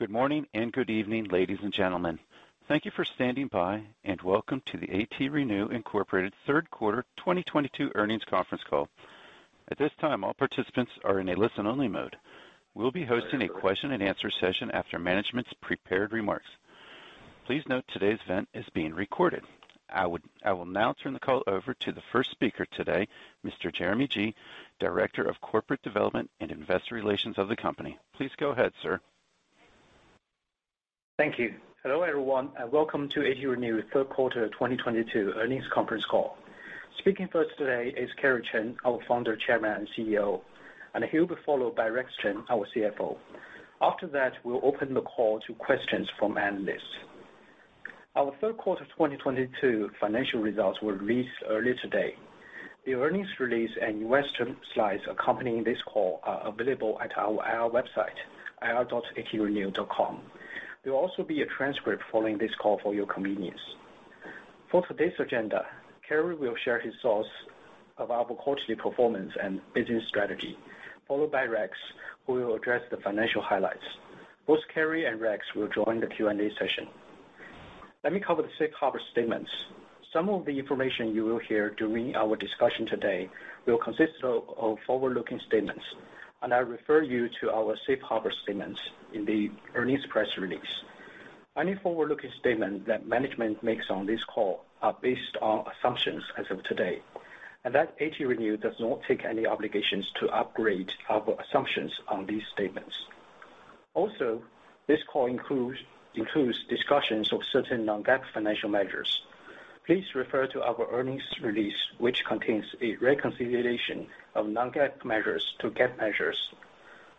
Good morning and good evening, ladies and gentlemen. Thank you for standing by. Welcome to the ATRenew Incorporated third quarter 2022 earnings conference call. At this time, all participants are in a listen only mode. We'll be hosting a question-and-answer session after management's prepared remarks. Please note today's event is being recorded. I will now turn the call over to the first speaker today, Mr. Jeremy Ji, Director of Corporate Development and Investor Relations of the company. Please go ahead, sir. Thank you. Hello, everyone, welcome to ATRenew third quarter 2022 earnings conference call. Speaking first today is Kerry Chen, our Founder, Chairman, and CEO, and he'll be followed by Rex Chen, our CFO. After that, we'll open the call to questions from analysts. Our third quarter 2022 financial results were released earlier today. The earnings release and investor slides accompanying this call are available at our IR website, ir.atrenew.com. There'll also be a transcript following this call for your convenience. For today's agenda, Kerry will share his thoughts of our quarterly performance and business strategy, followed by Rex, who will address the financial highlights. Both Kerry and Rex will join the Q&A session. Let me cover the safe harbor statements. Some of the information you will hear during our discussion today will consist of forward-looking statements. I refer you to our safe harbor statements in the earnings press release. Any forward-looking statement that management makes on this call are based on assumptions as of today, and that ATRenew does not take any obligations to upgrade our assumptions on these statements. Also, this call includes discussions of certain non-GAAP financial measures. Please refer to our earnings release, which contains a reconciliation of non-GAAP measures to GAAP measures.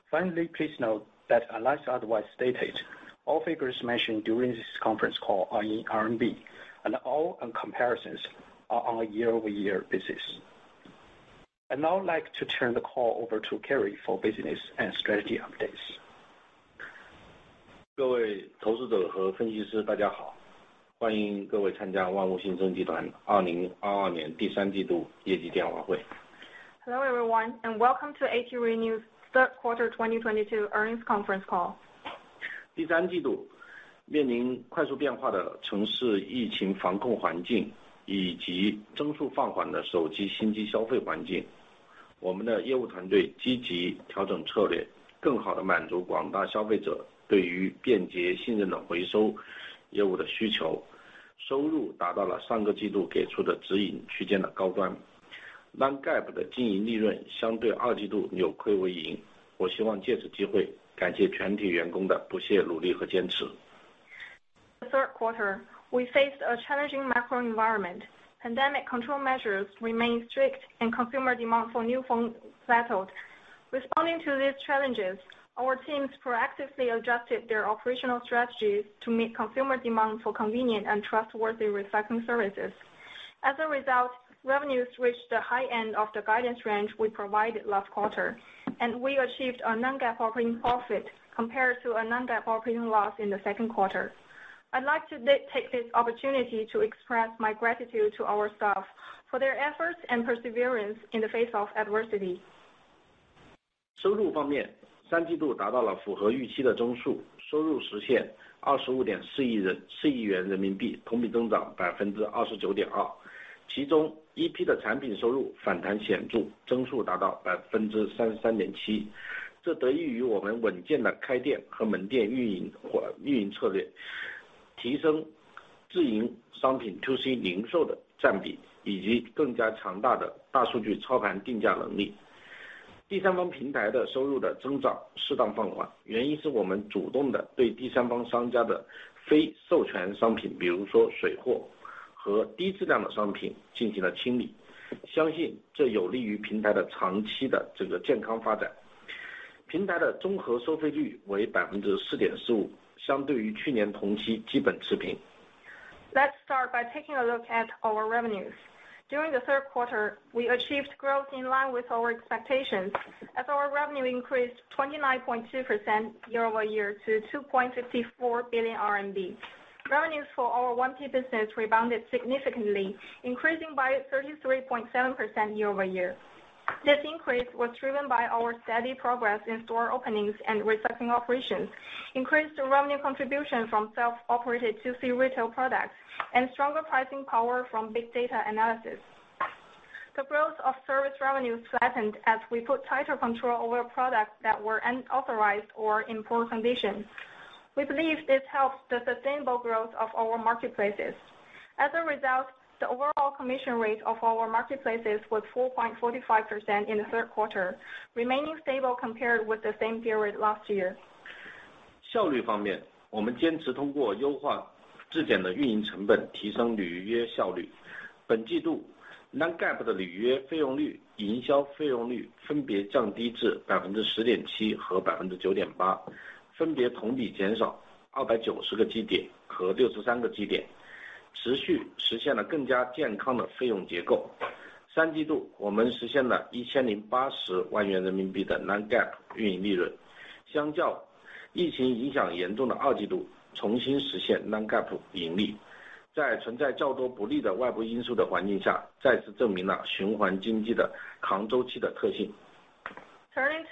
Finally, please note that unless otherwise stated, all figures mentioned during this conference call are in RMB and all comparisons are on a year-over-year basis. I'd now like to turn the call over to Kerry for business and strategy updates. Hello, everyone, and welcome to ATRenew's third quarter 2022 earnings conference call. The third quarter, we faced a challenging macro environment. Pandemic control measures remained strict and consumer demand for new phone settled. Responding to these challenges, our teams proactively adjusted their operational strategies to meet consumer demand for convenient and trustworthy recycling services. As a result, revenues reached the high end of the guidance range we provided last quarter, and we achieved a non-GAAP operating profit compared to a non-GAAP operating loss in the second quarter. I'd like to take this opportunity to express my gratitude to our staff for their efforts and perseverance in the face of adversity. Turning to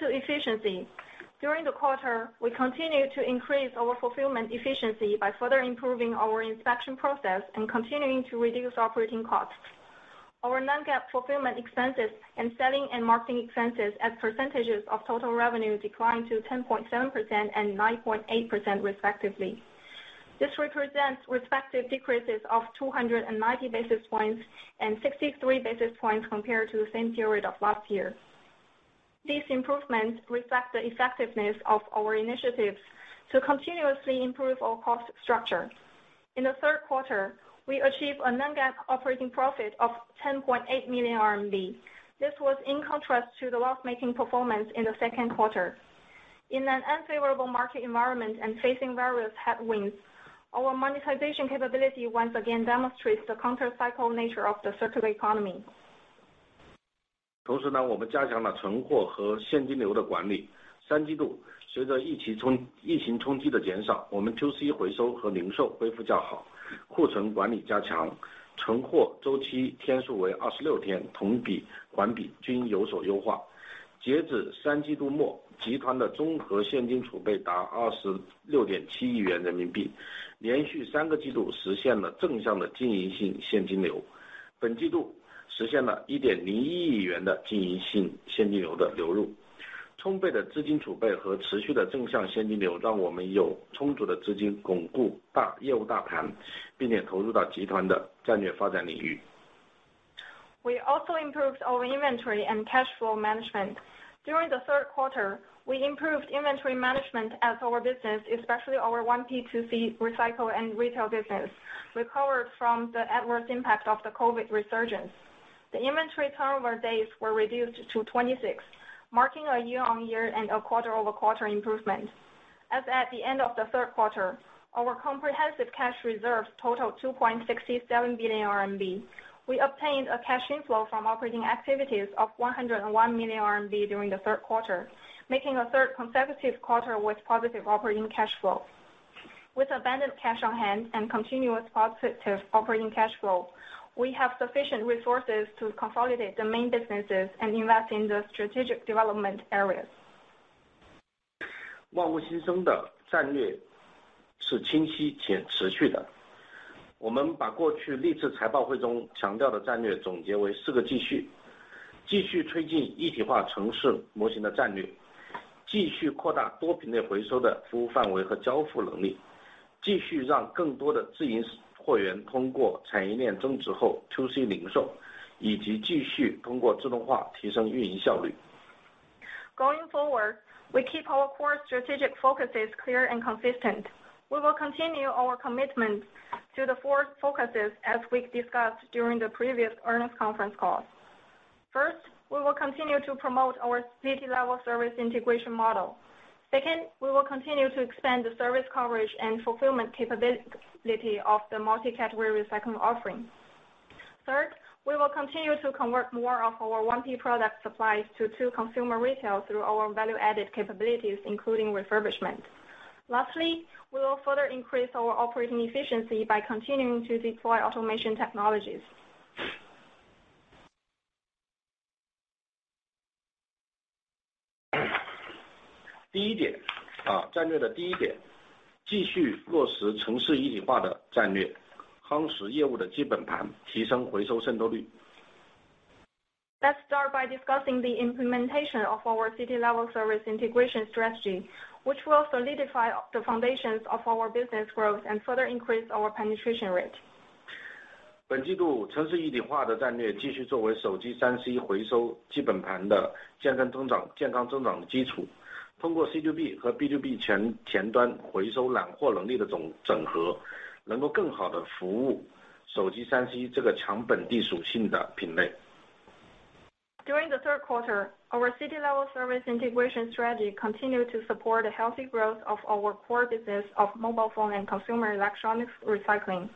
efficiency. During the quarter, we continued to increase our fulfillment efficiency by further improving our inspection process and continuing to reduce operating costs. Our non-GAAP fulfillment expenses and selling and marketing expenses as percentages of total revenue declined to 10.7% and 9.8% respectively. This represents respective decreases of 290 basis points and 63 basis points compared to the same period of last year. These improvements reflect the effectiveness of our initiatives to continuously improve our cost structure. In the third quarter, we achieved a non-GAAP operating profit of 10.8 million RMB. This was in contrast to the loss-making performance in the second quarter. In an unfavorable market environment and facing various headwinds, our monetization capability once again demonstrates the counter-cycle nature of the circular economy. 同时 呢， 我们加强了存货和现金流的管理。三季 度， 随着疫情 冲， 疫情冲击的减 少， 我们 2C 回收和零售恢复较 好， 库存管理加 强， 存货周期天数为二十六 天， 同比、环比均有所优化。截止三季度 末， 集团的综合现金储备达二十六点七亿元人民 币， 连续三个季度实现了正向的经营性现金流。本季度实现了一点零一亿元的经营性现金流的流入。充沛的资金储备和持续的正向现金 流， 让我们有充足的资金巩固 大， 业务大 盘， 并且投入到集团的战略发展领域。We also improved our inventory and cash flow management. During the third quarter, we improved inventory management as our business, especially our 1P2C recycle and retail business, recovered from the adverse impact of the COVID-19 resurgence. The inventory turnover days were reduced to 26, marking a year-on-year and a quarter-over-quarter improvement. As at the end of the third quarter, our comprehensive cash reserves totaled 2.67 billion RMB. We obtained a cash inflow from operating activities of 101 million RMB during the third quarter, making a third consecutive quarter with positive operating cash flow. With abundant cash on hand and continuous positive operating cash flow, we have sufficient resources to consolidate the main businesses and invest in the strategic development areas. 万物新生的战略是清晰且持续的。我们把过去历次财报会中强调的战略总结为四个继续。继续推进一体化城市模型的战略。继续扩大多品类回收的服务范围和交付能力。继续让更多的自营货源通过产业链增值后 2C 零 售， 以及继续通过自动化提升运营效率。Going forward, we keep our core strategic focuses clear and consistent. We will continue our commitments to the four focuses as we've discussed during the previous earnings conference calls. First, we will continue to promote our city-level service integration model. Second, we will continue to expand the service coverage and fulfillment capability of the multi-category recycling offering. Third, we will continue to convert more of our one key product supplies to two consumer retail through our value-added capabilities, including refurbishment. Lastly, we will further increase our operating efficiency by continuing to deploy automation technologies. 第一 点， 啊， 战略的第一 点， 继续落实城市一体化的战 略， 夯实业务的基本 盘， 提升回收渗透率。Let's start by discussing the implementation of our city level service integration strategy, which will solidify the foundations of our business growth and further increase our penetration rate. 本季 度， 城市一体化的战略继续作为手机 3C 回收基本盘的健康增 长， 健康增长的基础。通过 C2B 和 B2B 前端回收揽货能力的整 合， 能够更好地服务手机 3C 这个强本地属性的品类。During the third quarter, our city-level service integration strategy continued to support the healthy growth of our core business of mobile phone and consumer electronics recycling.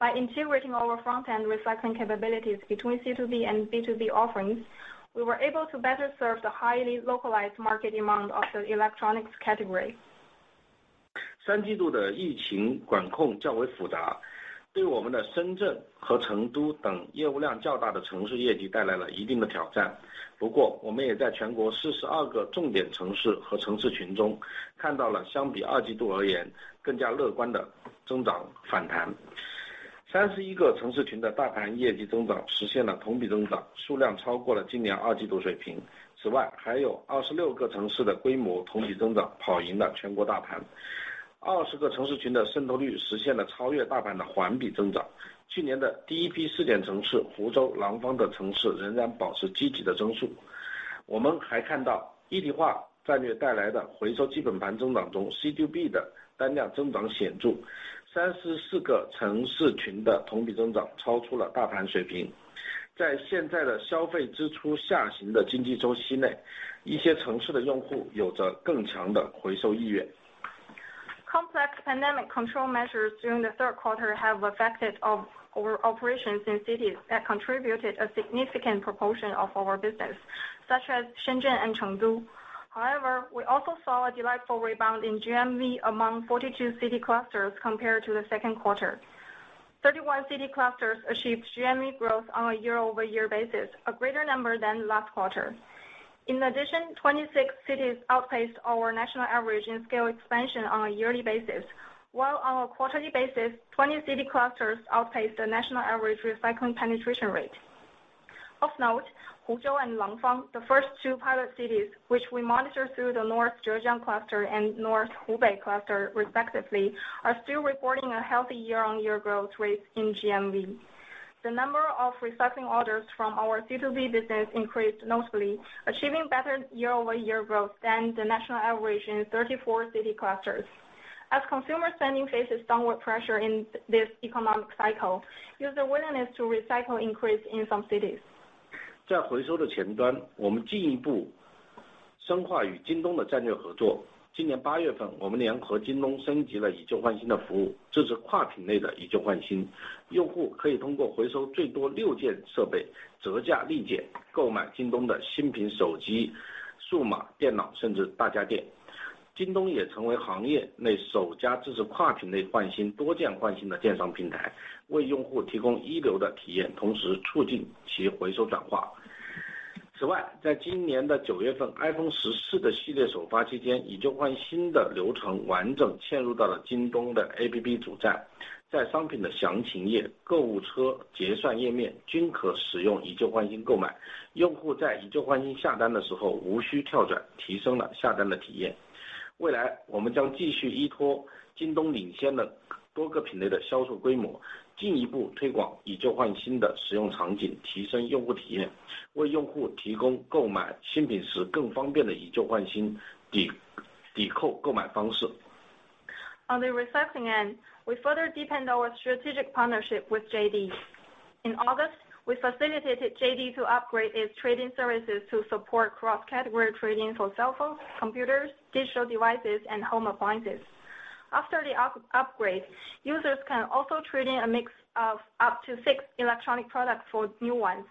By integrating our front-end recycling capabilities between C2B and B2B offerings, we were able to better serve the highly localized market demand of the electronics category. Q3 的疫情管控较为复 杂， 对我们的 Shenzhen 和 Chengdu 等业务量较大的城市业绩带来了一定的挑战。我们也在全国42个重点城市和城市群中看到了相比 Q2 而言更加乐观的增长反弹。31个城市群的大盘业绩增长实现了同比增 长， 数量超过了今年 Q2 水平。还有26个城市的规模同比增长跑赢了全国大盘。20个城市群的渗透率实现了超越大盘的环比增长。去年的第一批试点城 市， Huzhou、Langfang 等城市仍然保持积极的增速。我们还看 到， 一体化战略带来的回收基本盘增长 中， C2B 的单量增长显 著， 34个城市群的同比增长超出了大盘水平。在现在的消费支出下行的经济周期 内， 一些城市的用户有着更强的回收意愿。Complex pandemic control measures during the third quarter have affected our operations in cities that contributed a significant proportion of our business, such as Shenzhen and Chengdu. We also saw a delightful rebound in GMV among 42 city clusters compared to the second quarter. 31 city clusters achieved GMV growth on a year-over-year basis, a greater number than last quarter. 26 cities outpaced our national average in scale expansion on a yearly basis, while on a quarterly basis, 20 city clusters outpaced the national average recycling penetration rate. Huzhou and Langfang, the first two pilot cities, which we monitor through the North Zhejiang cluster and North Hubei cluster respectively, are still reporting a healthy year-on-year growth rate in GMV. The number of recycling orders from our C2B business increased notably, achieving better year-over-year growth than the national average in 34 city clusters. As consumer spending faces downward pressure in this economic cycle, user willingness to recycle increased in some cities. 在回收的前 端， 我们进一步深化与京东的战略合作。今年八月 份， 我们联合京东升级了以旧换新的服 务， 支持跨品类的以旧换新。用户可以通过回收最多六件设 备， 折价立 减， 购买京东的新品手机、数码电 脑， 甚至大家电。京东也成为行业内首家支持跨品类换新、多件换新的电商平台，为用户提供一流的体 验， 同时促进其回收转化。此 外， 在今年的九月份 iPhone 14的系列首发期 间， 以旧换新的流程完整嵌入到了京东的 APP 主站在商品的详情页、购物车、结算页面均可使用以旧换新购买。用户在以旧换新下单的时候无需跳 转， 提升了下单的体验。未来我们将继续依托京东领先的多个品类的销售规 模， 进一步推广以旧换新的使用场 景， 提升用户体 验， 为用户提供购买新品时更方便的以旧换新 抵， 抵扣购买方式。On the recycling end, we further deepen our strategic partnership with JD.com. In August, we facilitated JD.com to upgrade its trading services to support cross-category trading for cell phones, computers, digital devices and home appliances. After the upgrade, users can also trade in a mix of up to six electronic products for new ones.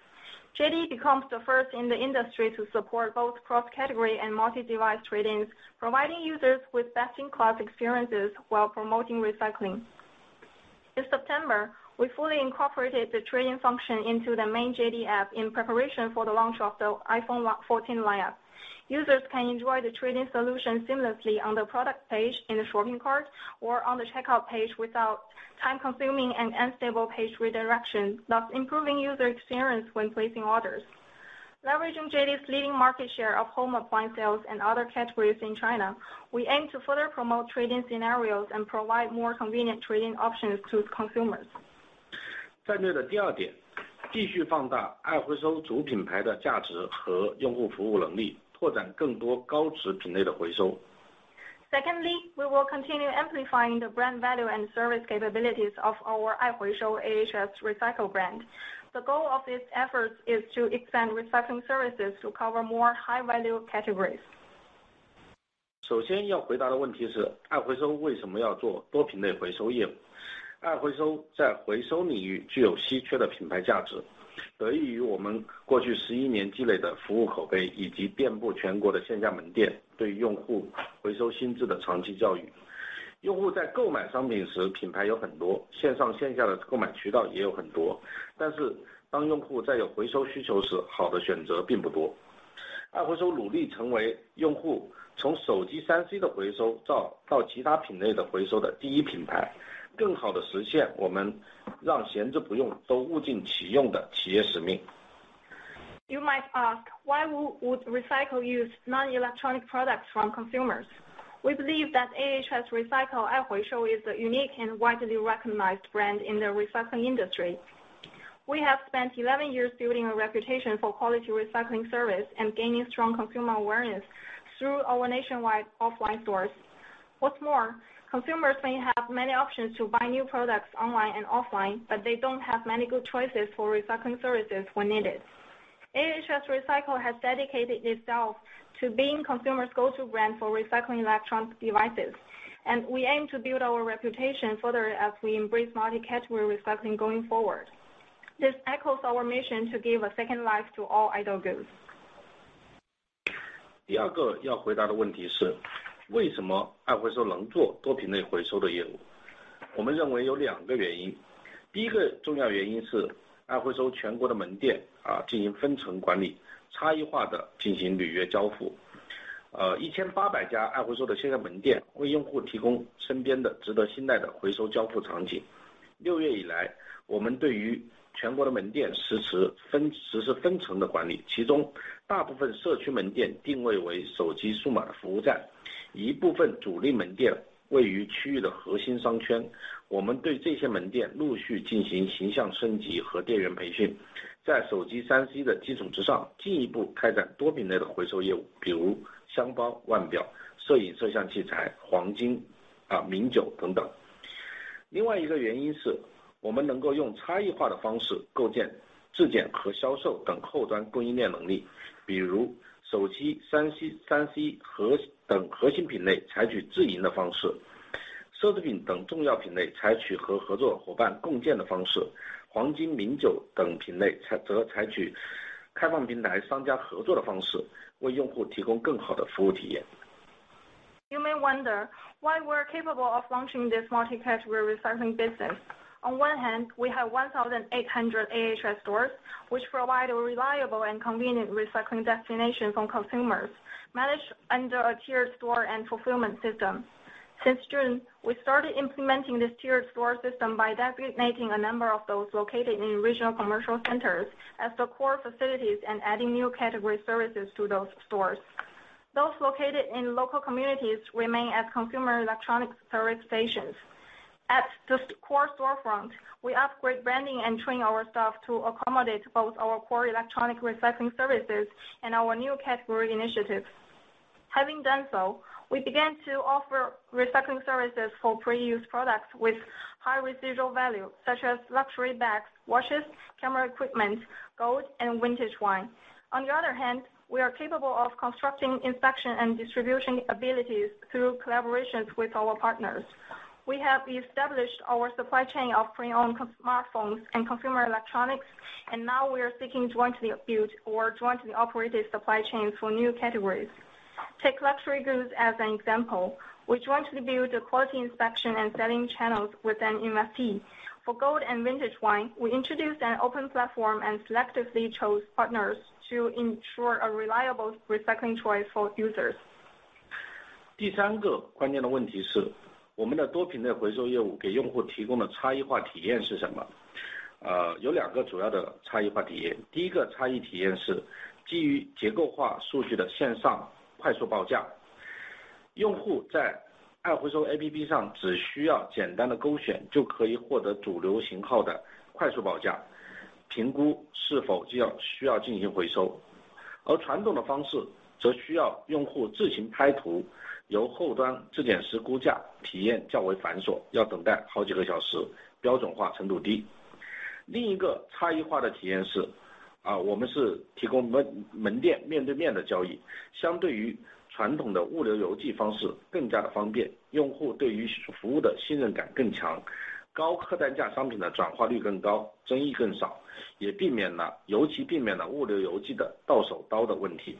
JD.com becomes the first in the industry to support both cross-category and multi-device trade-ins, providing users with best-in-class experiences while promoting recycling. In September, we fully incorporated the trade-in function into the main JD.com app in preparation for the launch of the iPhone 14 lineup. Users can enjoy the trade-in solution seamlessly on the product page, in the shopping cart or on the checkout page without time-consuming and unstable page redirection, thus improving user experience when placing orders. Leveraging JD.com's leading market share of home appliance sales and other categories in China, we aim to further promote trade-in scenarios and provide more convenient trade-in options to consumers. 战略的第二 点， 继续放大爱回收主品牌的价值和用户服务能 力， 拓展更多高值品类的回收。Secondly, we will continue amplifying the brand value and service capabilities of our 爱回收 AHS Recycle brand. The goal of this effort is to expand recycling services to cover more high-value categories. 首先要回答的问题 是, AHS Recycle 为什么要做多品类回收业 务? AHS Recycle 在回收领域具有稀缺的品牌价 值, 得益于我们过去11年积累的服务口 碑, 以及遍布全国的线下门店对用户回收心智的长期教 育. 用户在购买商品 时, 品牌有很 多, 线上线下的购买渠道也有很 多, 但是当用户在有回收需求 时, 好的选择并不 多. AHS Recycle 努力成为用户从手机 3C 的回收到其他品类的回收的第一品 牌, 更好地实现我们让闲置不用都物尽其用的企业使 命. You might ask, why would recycle use non-electronic products from consumers? We believe that AHS Recycle 爱回收 is a unique and widely recognized brand in the recycling industry. We have spent 11 years building a reputation for quality recycling service and gaining strong consumer awareness through our nationwide offline stores. Consumers may have many options to buy new products online and offline, but they don't have many good choices for recycling services when needed. AHS Recycle has dedicated itself to being consumers go to brand for recycling electronic devices, and we aim to build our reputation further as we embrace multi-category recycling going forward. This echoes our mission to give a second life to all idle goods. 第二个要回答的问题 是， 为什么爱回收能做多品类回收的业 务？ 我们认为有两个原因。第一个重要原因是爱回收全国的门店啊进行分层管 理， 差异化地进行履约交付。呃， 一千八百家爱回收的线下门店为用户提供身边的值得信赖的回收交付场景。六月以 来， 我们对于全国的门店实施 分， 实施分层的管 理， 其中大部分社区门店定位为手机数码服务站，一部分主力门店位于区域的核心商 圈， 我们对这些门店陆续进行形象升级和店员培 训， 在手机 3C 的基础之 上， 进一步开展多品类的回收业 务， 比如箱包、腕表、摄影摄像器材、黄金啊、名酒等等。另外一个原因 是， 我们能够用差异化的方式构建质检和销售等后端供应链能 力， 比如手机、3C，3C 核--等核心品 类， 采取自营的方 式， 奢侈品等重要品 类， 采取和合作伙伴共建的方 式， 黄金、名酒等品 类， 采--则采取开放平台商家合作的方 式， 为用户提供更好的服务体验。You may wonder why we're capable of launching this multi category recycling business. On one hand, we have 1,800 AHS stores, which provide a reliable and convenient recycling destination from consumers managed under a tiered store and fulfillment system. Since June, we started implementing this tiered store system by designating a number of those located in regional commercial centers as the core facilities and adding new category services to those stores. Those located in local communities remain as consumer electronics service stations. At the core storefront, we upgrade branding and train our staff to accommodate both our core electronic recycling services and our new category initiatives. Having done so, we began to offer recycling services for pre-used products with high residual value, such as luxury bags, watches, camera equipment, gold and vintage wine. On the other hand, we are capable of constructing inspection and distribution abilities through collaborations with our partners. We have established our supply chain of pre-owned smartphones and consumer electronics. Now we are seeking jointly built or jointly operated supply chains for new categories. Take luxury goods as an example, we jointly build a quality inspection and selling channels with an MSP. For gold and vintage wine, we introduced an open platform. Selectively chose partners to ensure a reliable recycling choice for users. 第三个关键的问题是我们的多品类回收业务给用户提供的差异化体验是什 么？ 呃， 有两个主要的差异化体验。第一个差异体验是基于结构化数据的线上快速报价。用户在爱回收 APP 上只需要简单地勾 选， 就可以获得主流型号的快速报 价， 评估是否需 要， 需要进行回收。而传统的方式则需要用户自行拍图，由后端质检师估 价， 体验较为繁 琐， 要等待好几个小 时， 标准化程度低。另一个差异化的体验 是， 啊我们是提供 门， 门店面对面的交 易， 相对于传统的物流邮寄方式更加的方 便， 用户对于服务的信任感更 强， 高客单价商品的转化率更 高， 争议更 少， 也避免 了， 尤其避免了物流邮寄的到手刀的问题。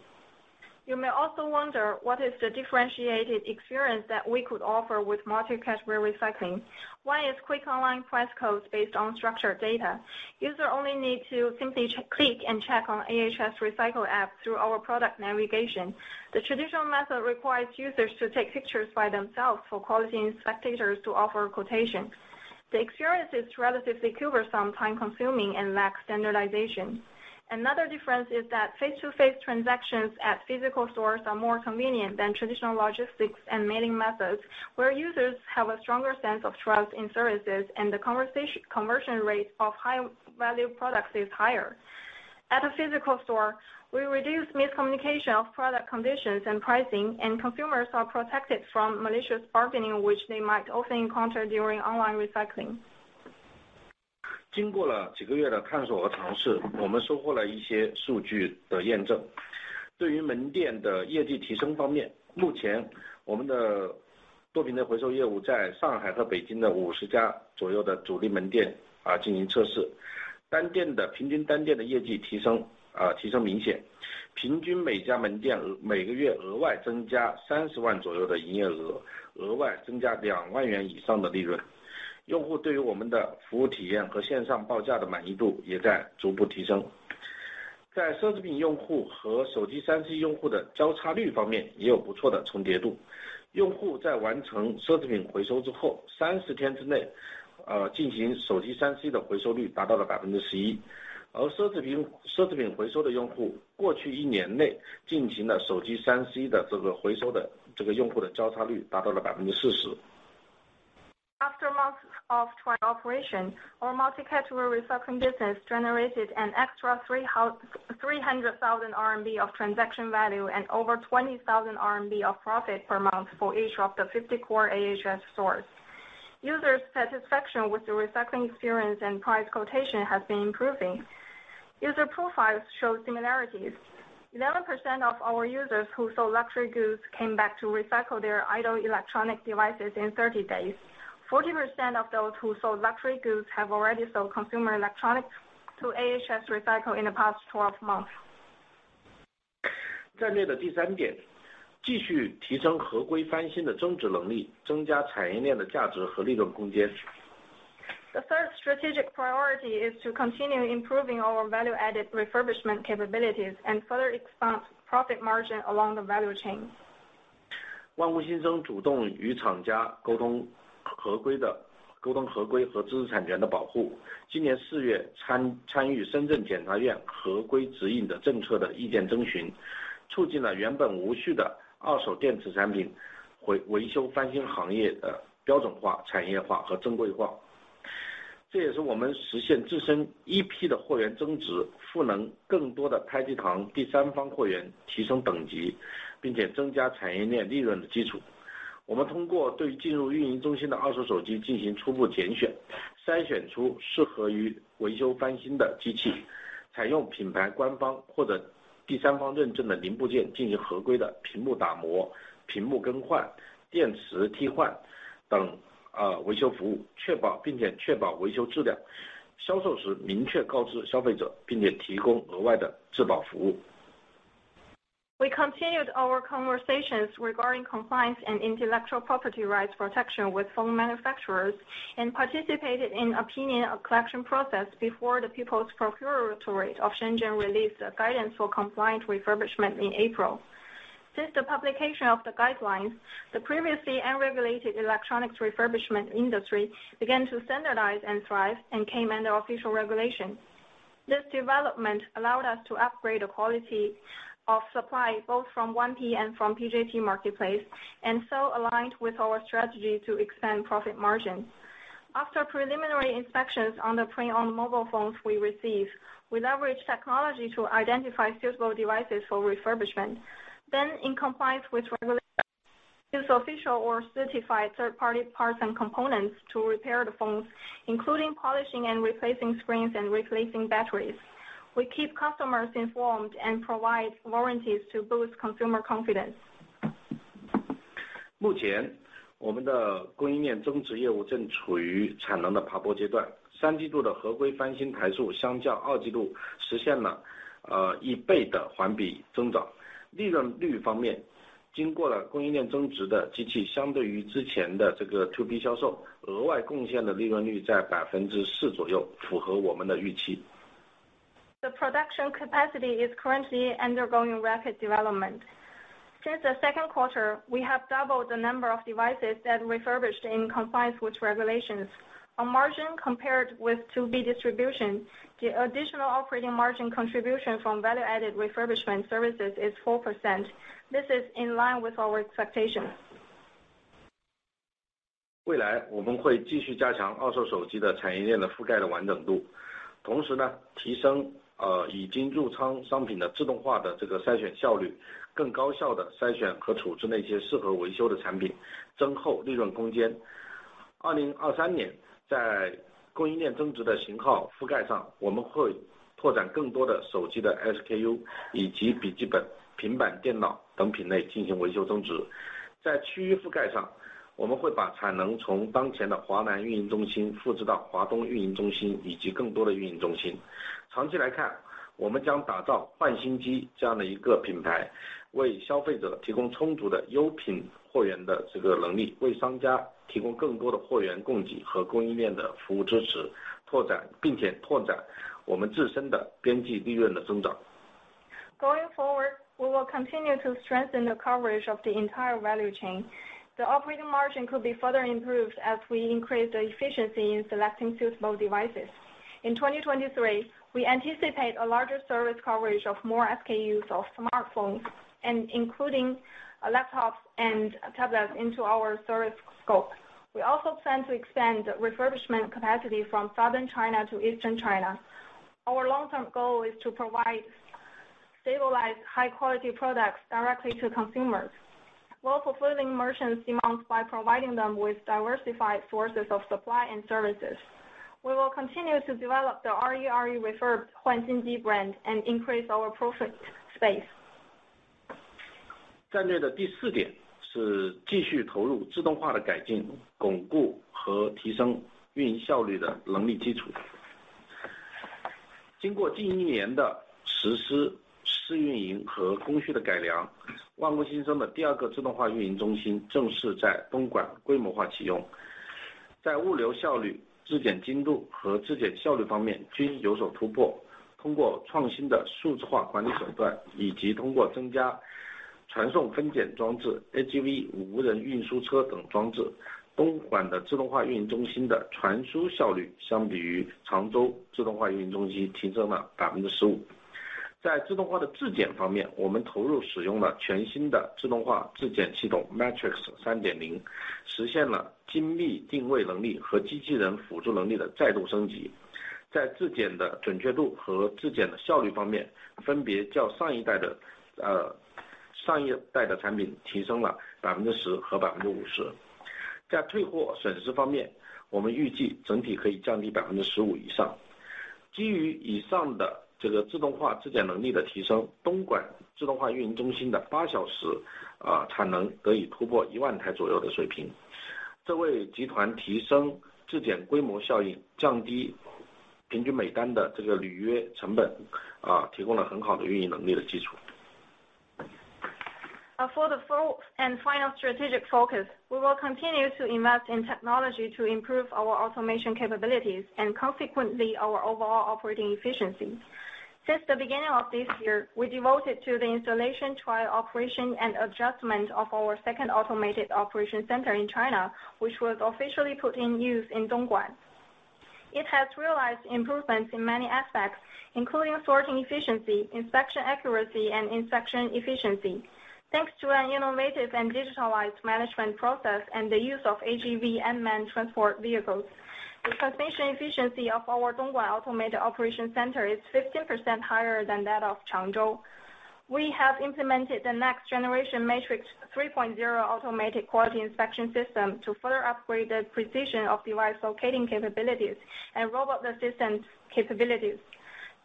You may also wonder what is the differentiated experience that we could offer with multi-category recycling. One is quick online price quotes based on structured data. User only need to simply click and check on AHS Recycle app through our product navigation. The traditional method requires users to take pictures by themselves for quality inspectors to offer quotations. The experience is relatively cumbersome, time consuming and lacks standardization. Another difference is that face to face transactions at physical stores are more convenient than traditional logistics and mailing methods, where users have a stronger sense of trust in services, and the conversion rate of high value products is higher. At a physical store, we reduce miscommunication of product conditions and pricing, and consumers are protected from malicious bargaining, which they might often encounter during online recycling. 经过了几个月的探索和尝 试， 我们收获了一些数据的验证。对于门店的业绩提升方 面， 目前我们的多品类回收业务在上海和北京的五十家左右的主力门店啊进行测 试， 单店 的， 平均单店的业绩提升啊提升明 显， 平均每家门店每个月额外增加三十万左右的营业 额， 额外增加两万元以上的利润。用户对于我们的服务体验和线上报价的满意度也在逐步提升。在奢侈品用户和手机 3C 用户的交叉率方面也有不错的重叠度。用户在完成奢侈品回收之后三十天之内啊进行手机 3C 的回收率达到了百分之十 一， 而奢侈 品， 奢侈品回收的用户过去一年内进行了手机 3C 的这个回收的这个用户的交叉率达到了百分之四十。After months of trial operation, our multi-category recycling business generated an extra 300,000 RMB of transaction value and over 20,000 RMB of profit per month for each of the 50 core AHS stores. Users satisfaction with the recycling experience and price quotation has been improving. User profiles show similarities. 11% of our users who sold luxury goods came back to recycle their idle electronic devices in 30 days. 40% of those who sold luxury goods have already sold consumer electronics to AHS Recycle in the past 12 months. 战略的第三 点， 继续提升合规翻新的增值能 力， 增加产业链的价值和利润空间。The third strategic priority is to continue improving our value added refurbishment capabilities and further expand profit margin along the value chain. 万物新生主动与厂家沟通合规 的， 沟通合规和知识产权的保护。今年四 月， 参， 参与深圳检察院合规指引的政策的意见征 询， 促进了原本无序的二手电子产品 维， 维修翻新行业的标准化、产业化和正规化。这也是我们实现自身一批的货源增 值， 赋能更多的拍地糖第三方货源提升等 级， 并且增加产业链利润的基础。我们通过对进入运营中心的二手手机进行初步拣 选， 筛选出适合于维修翻新的机 器， 采用品牌官方或者第三方认证的零部件进行合规的屏幕打磨、屏幕更换、电池替换等啊维修服 务， 确保并且确保维修质量销售时明确告知消费 者， 并且提供额外的质保服务。We continued our conversations regarding compliance and intellectual property rights protection with phone manufacturers and participated in opinion collection process before the Shenzhen People's Procuratorate released the guidance for compliance refurbishment in April. Since the publication of the guidelines, the previously unregulated electronics refurbishment industry began to standardize and thrive and came under official regulation. This development allowed us to upgrade the quality of supply, both from 1P and from PJT Marketplace, aligned with our strategy to expand profit margins. After preliminary inspections on the pre-owned mobile phones we receive, we leverage technology to identify suitable devices for refurbishment. Then, in compliance with regulations use official or certified third-party parts and components to repair the phones, including polishing and replacing screens and replacing batteries. We keep customers informed and provide warranties to boost consumer confidence. 目前我们的供应链增值业务正处于产能的爬坡阶段。三季度的合规翻新台数相较二季度实现 了， 呃， 一倍的环比增长。利润率方 面， 经过了供应链增值的机 器， 相对于之前的这个 2B 销 售， 额外贡献的利润率在百分之四左 右， 符合我们的预期。The production capacity is currently undergoing rapid development. Since the second quarter, we have doubled the number of devices that refurbished in compliance with regulations. On margin compared with 2B distribution, the additional operating margin contribution from value-added refurbishment services is 4%. This is in line with our expectations. 未来我们会继续加强二手手机的产业链的覆盖的完整 度， 同时提升已经入仓商品的自动化的这个筛选效 率， 更高效地筛选和处置那些适合维修的产 品， 增厚利润空间。2023 年， 在供应链增值的型号覆盖 上， 我们会拓展更多的手机的 SKU， 以及笔记本、平板电脑等品类进行维修增值。在区域覆盖 上， 我们会把产能从当前的华南运营中心复制到华东运营中 心， 以及更多的运营中心。长期来 看， 我们将打造焕新机这样的一个品 牌， 为消费者提供充足的优品货源的这个能 力， 为商家提供更多的货源供给和供应链的服务支 持， 拓展并且拓展我们自身的边际利润的增长。Going forward, we will continue to strengthen the coverage of the entire value chain. The operating margin could be further improved as we increase the efficiency in selecting suitable devices. In 2023, we anticipate a larger service coverage of more SKUs of smartphones and including laptops and tablets into our service scope. We also plan to expand refurbishment capacity from southern China to eastern China. Our long-term goal is to provide stabilized, high-quality products directly to consumers, while fulfilling merchants' demands by providing them with diversified sources of supply and services. We will continue to develop the RERE Refurbed 焕新机 brand and increase our profit space. 战略的第四点是继续投入自动化的改 进， 巩固和提升运营效率的能力基础。经过近一年的实施、试运营和工序的改 良， 万物新生的第二个自动化运营中心正式在东莞规模化启用。在物流效率、质检精度和质检效率方面均有所突破。通过创新的数字化管理手 段， 以及通过增加传送分拣装置、AGV 无人运输车等装 置， 东莞的自动化运营中心的传输效率相比于常州自动化运营中心提升了百分之十五。在自动化的质检方 面， 我们投入使用了全新的自动化质检系统 Matrix 3.0， 实现了精密定位能力和机器人辅助能力的再度升级。在质检的准确度和质检的效率方 面， 分别较上一代 的， 呃， 上一代的产品提升了百分之十和百分之五十。在退货损失方 面， 我们预计整体可以降低百分之十五以上。基于以上的这个自动化质检能力的提 升， 东莞自动化运营中心的八小 时， 啊， 产能得以突破一万台左右的水 平， 这为集团提升质检规模效 应， 降低平均每单的这个履约成 本， 啊， 提供了很好的运营能力的基础。For the fourth and final strategic focus, we will continue to invest in technology to improve our automation capabilities and consequently our overall operating efficiency. Since the beginning of this year, we devoted to the installation, trial operation, and adjustment of our second automated operation center in China, which was officially put in use in Dongguan. It has realized improvements in many aspects, including sorting efficiency, inspection accuracy, and inspection efficiency. Thanks to an innovative and digitalized management process and the use of AGV unmanned transport vehicles, the transmission efficiency of our Dongguan Automated Operation Center is 15% higher than that of Changzhou. We have implemented the next generation Matrix 3.0 automated quality inspection system to further upgrade the precision of device locating capabilities and robot assistance capabilities.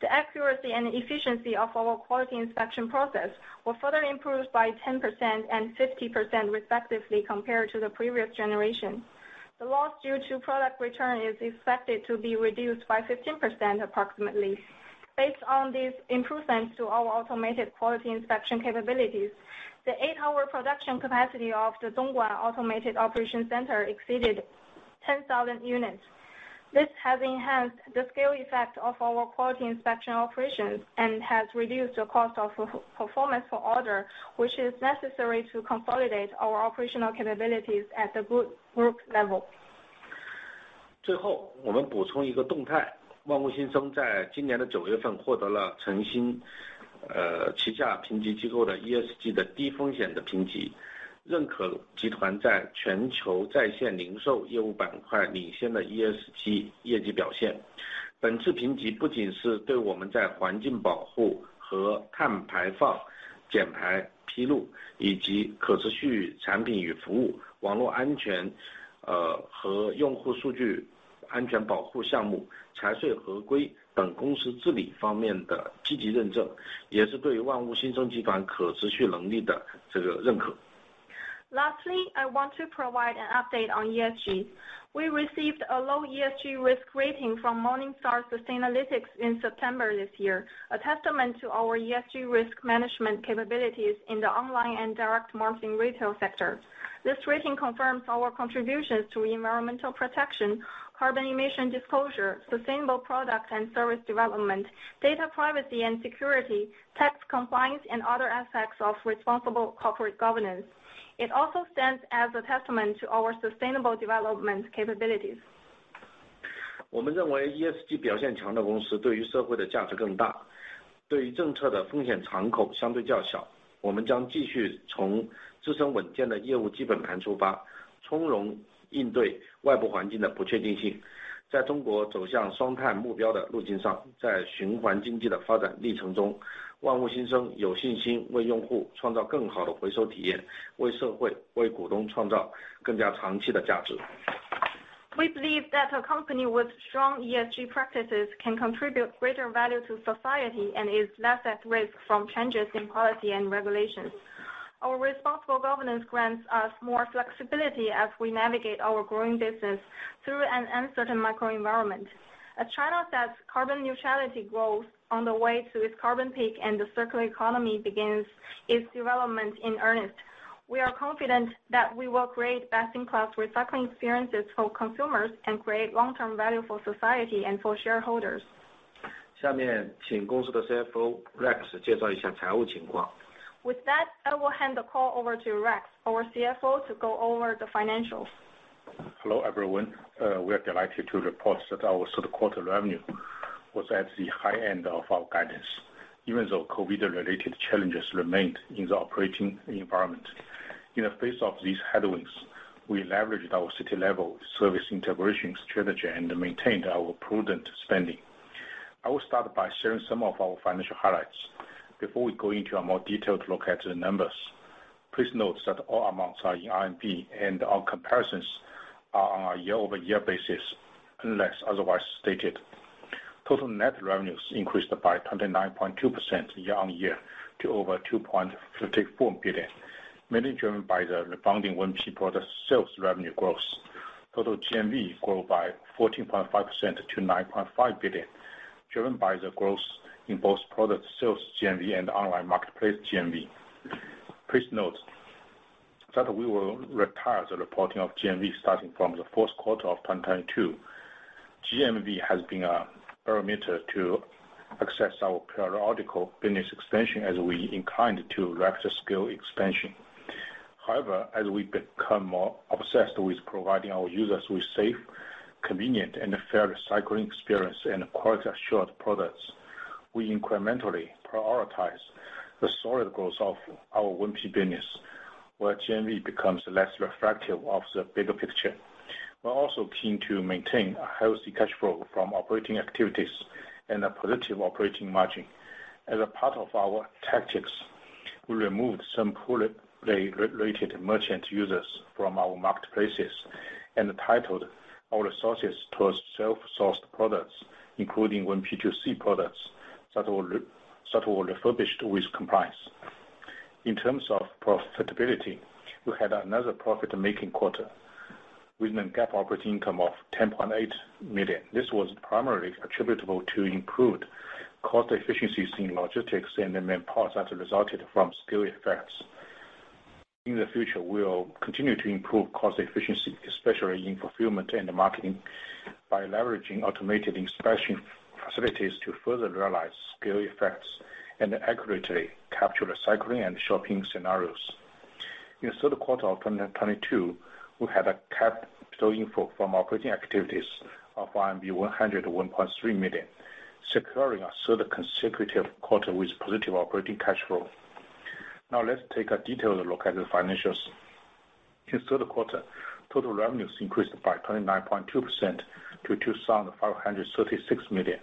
The accuracy and efficiency of our quality inspection process were further improved by 10% and 50% respectively compared to the previous generation. The loss due to product return is expected to be reduced by 15% approximately. Based on these improvements to our automated quality inspection capabilities, the eight-hour production capacity of the Dongguan Automated Operations Center exceeded 10,000 units. This has enhanced the scale effect of our quality inspection operations and has reduced the cost of performance for order, which is necessary to consolidate our operational capabilities at the group level. Lastly, I want to provide an update on ESG. We received a low ESG risk rating from Morningstar Sustainalytics in September this year, a testament to our ESG risk management capabilities in the online and direct marketing retail sector. This rating confirms our contributions to environmental protection, carbon emission disclosure, sustainable product and service development, data privacy and security, tax compliance, and other aspects of responsible corporate governance. It also stands as a testament to our sustainable development capabilities. We believe that a company with strong ESG practices can contribute greater value to society and is less at risk from changes in policy and regulations. Our responsible governance grants us more flexibility as we navigate our growing business through an uncertain macro environment. As China sets carbon neutrality growth on the way to its carbon peak and the circular economy begins its development in earnest, we are confident that we will create best-in-class recycling experiences for consumers and create long-term value for society and for shareholders. With that, I will hand the call over to Rex, our CFO, to go over the financials. Hello, everyone. We are delighted to report that our third quarter revenue was at the high end of our guidance, even though COVID-19-related challenges remained in the operating environment. In the face of these headwinds, we leveraged our city-level service integration strategy and maintained our prudent spending. I will start by sharing some of our financial highlights. Before we go into a more detailed look at the numbers, please note that all amounts are in RMB and our comparisons are on a year-over-year basis, unless otherwise stated. Total net revenues increased by 29.2% year-on-year to over 2.54 billion, mainly driven by the rebounding 1P product sales revenue growth. Total GMV grew by 14.5% to 9.5 billion, driven by the growth in both product sales GMV and online marketplace GMV. Please note that we will retire the reporting of GMV starting from the fourth quarter of 2022. GMV has been a parameter to access our periodical business expansion as we inclined to rapid scale expansion. As we become more obsessed with providing our users with safe, convenient and fair recycling experience and quality assured products, we incrementally prioritize the solid growth of our 1P business, where GMV becomes less reflective of the bigger picture. We're also keen to maintain a healthy cash flow from operating activities and a positive operating margin. As a part of our tactics, we removed some poorly re-related merchant users from our marketplaces and titled our resources towards self-sourced products, including 1P2C products that were refurbished with compliance. In terms of profitability, we had another profit-making quarter with a GAAP operating income of 10.8 million. This was primarily attributable to improved cost efficiencies in logistics and manpower that resulted from scale effects. In the future, we'll continue to improve cost efficiency, especially in fulfillment and marketing by leveraging automated inspection facilities to further realize scale effects and accurately capture recycling and shopping scenarios. In the third quarter of 2022, we had a cap flow from operating activities of RMB 101.3 million, securing our third consecutive quarter with positive operating cash flow. Now let's take a detailed look at the financials. In the third quarter, total revenues increased by 29.2% to 2,536 million.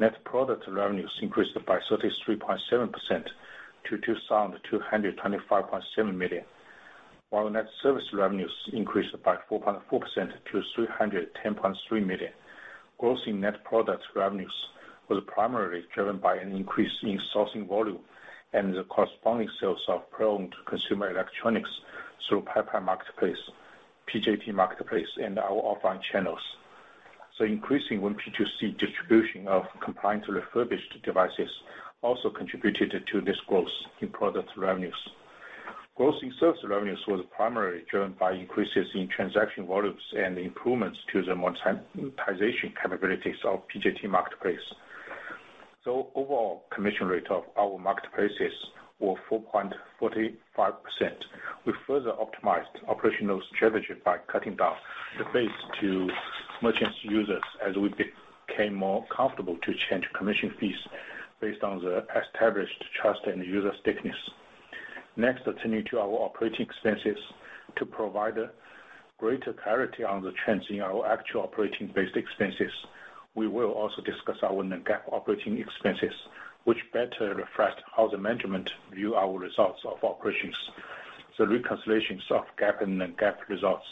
Net product revenues increased by 33.7% to 2,225.7 million. While net service revenues increased by 4.4% to 310.3 million. Growth in net product revenues was primarily driven by an increase in sourcing volume and the corresponding sales of pre-owned consumer electronics through Paipai Marketplace, PJT Marketplace, and our offline channels. Increasing when P2C distribution of compliant refurbished devices also contributed to this growth in product revenues. Growth in service revenues was primarily driven by increases in transaction volumes and improvements to the monetization capabilities of PJT Marketplace. Overall commission rate of our marketplaces was 4.45%. We further optimized operational strategy by cutting down the fees to merchant users as we became more comfortable to change commission fees based on the established trust and user stickiness. Turning to our operating expenses. To provide greater clarity on the trends in our actual operating-based expenses, we will also discuss our non-GAAP operating expenses, which better reflect how the management view our results of operations. The reconciliations of GAAP and non-GAAP results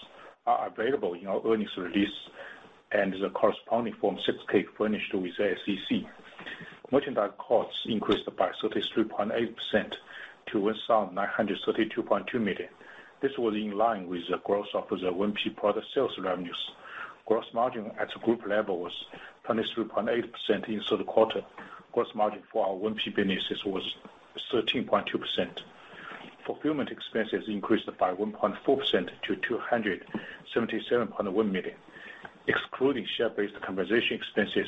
are available in our earnings release and the corresponding Form 6-K furnished with SEC. Merchandise costs increased by 33.8% to 1,932.2 million. This was in line with the growth of the 1P product sales revenues. Gross margin at group level was 23.8% in the third quarter. Gross margin for our 1P business was 13.2%. Fulfillment expenses increased by 1.4% to 277.1 million. Excluding share-based compensation expenses,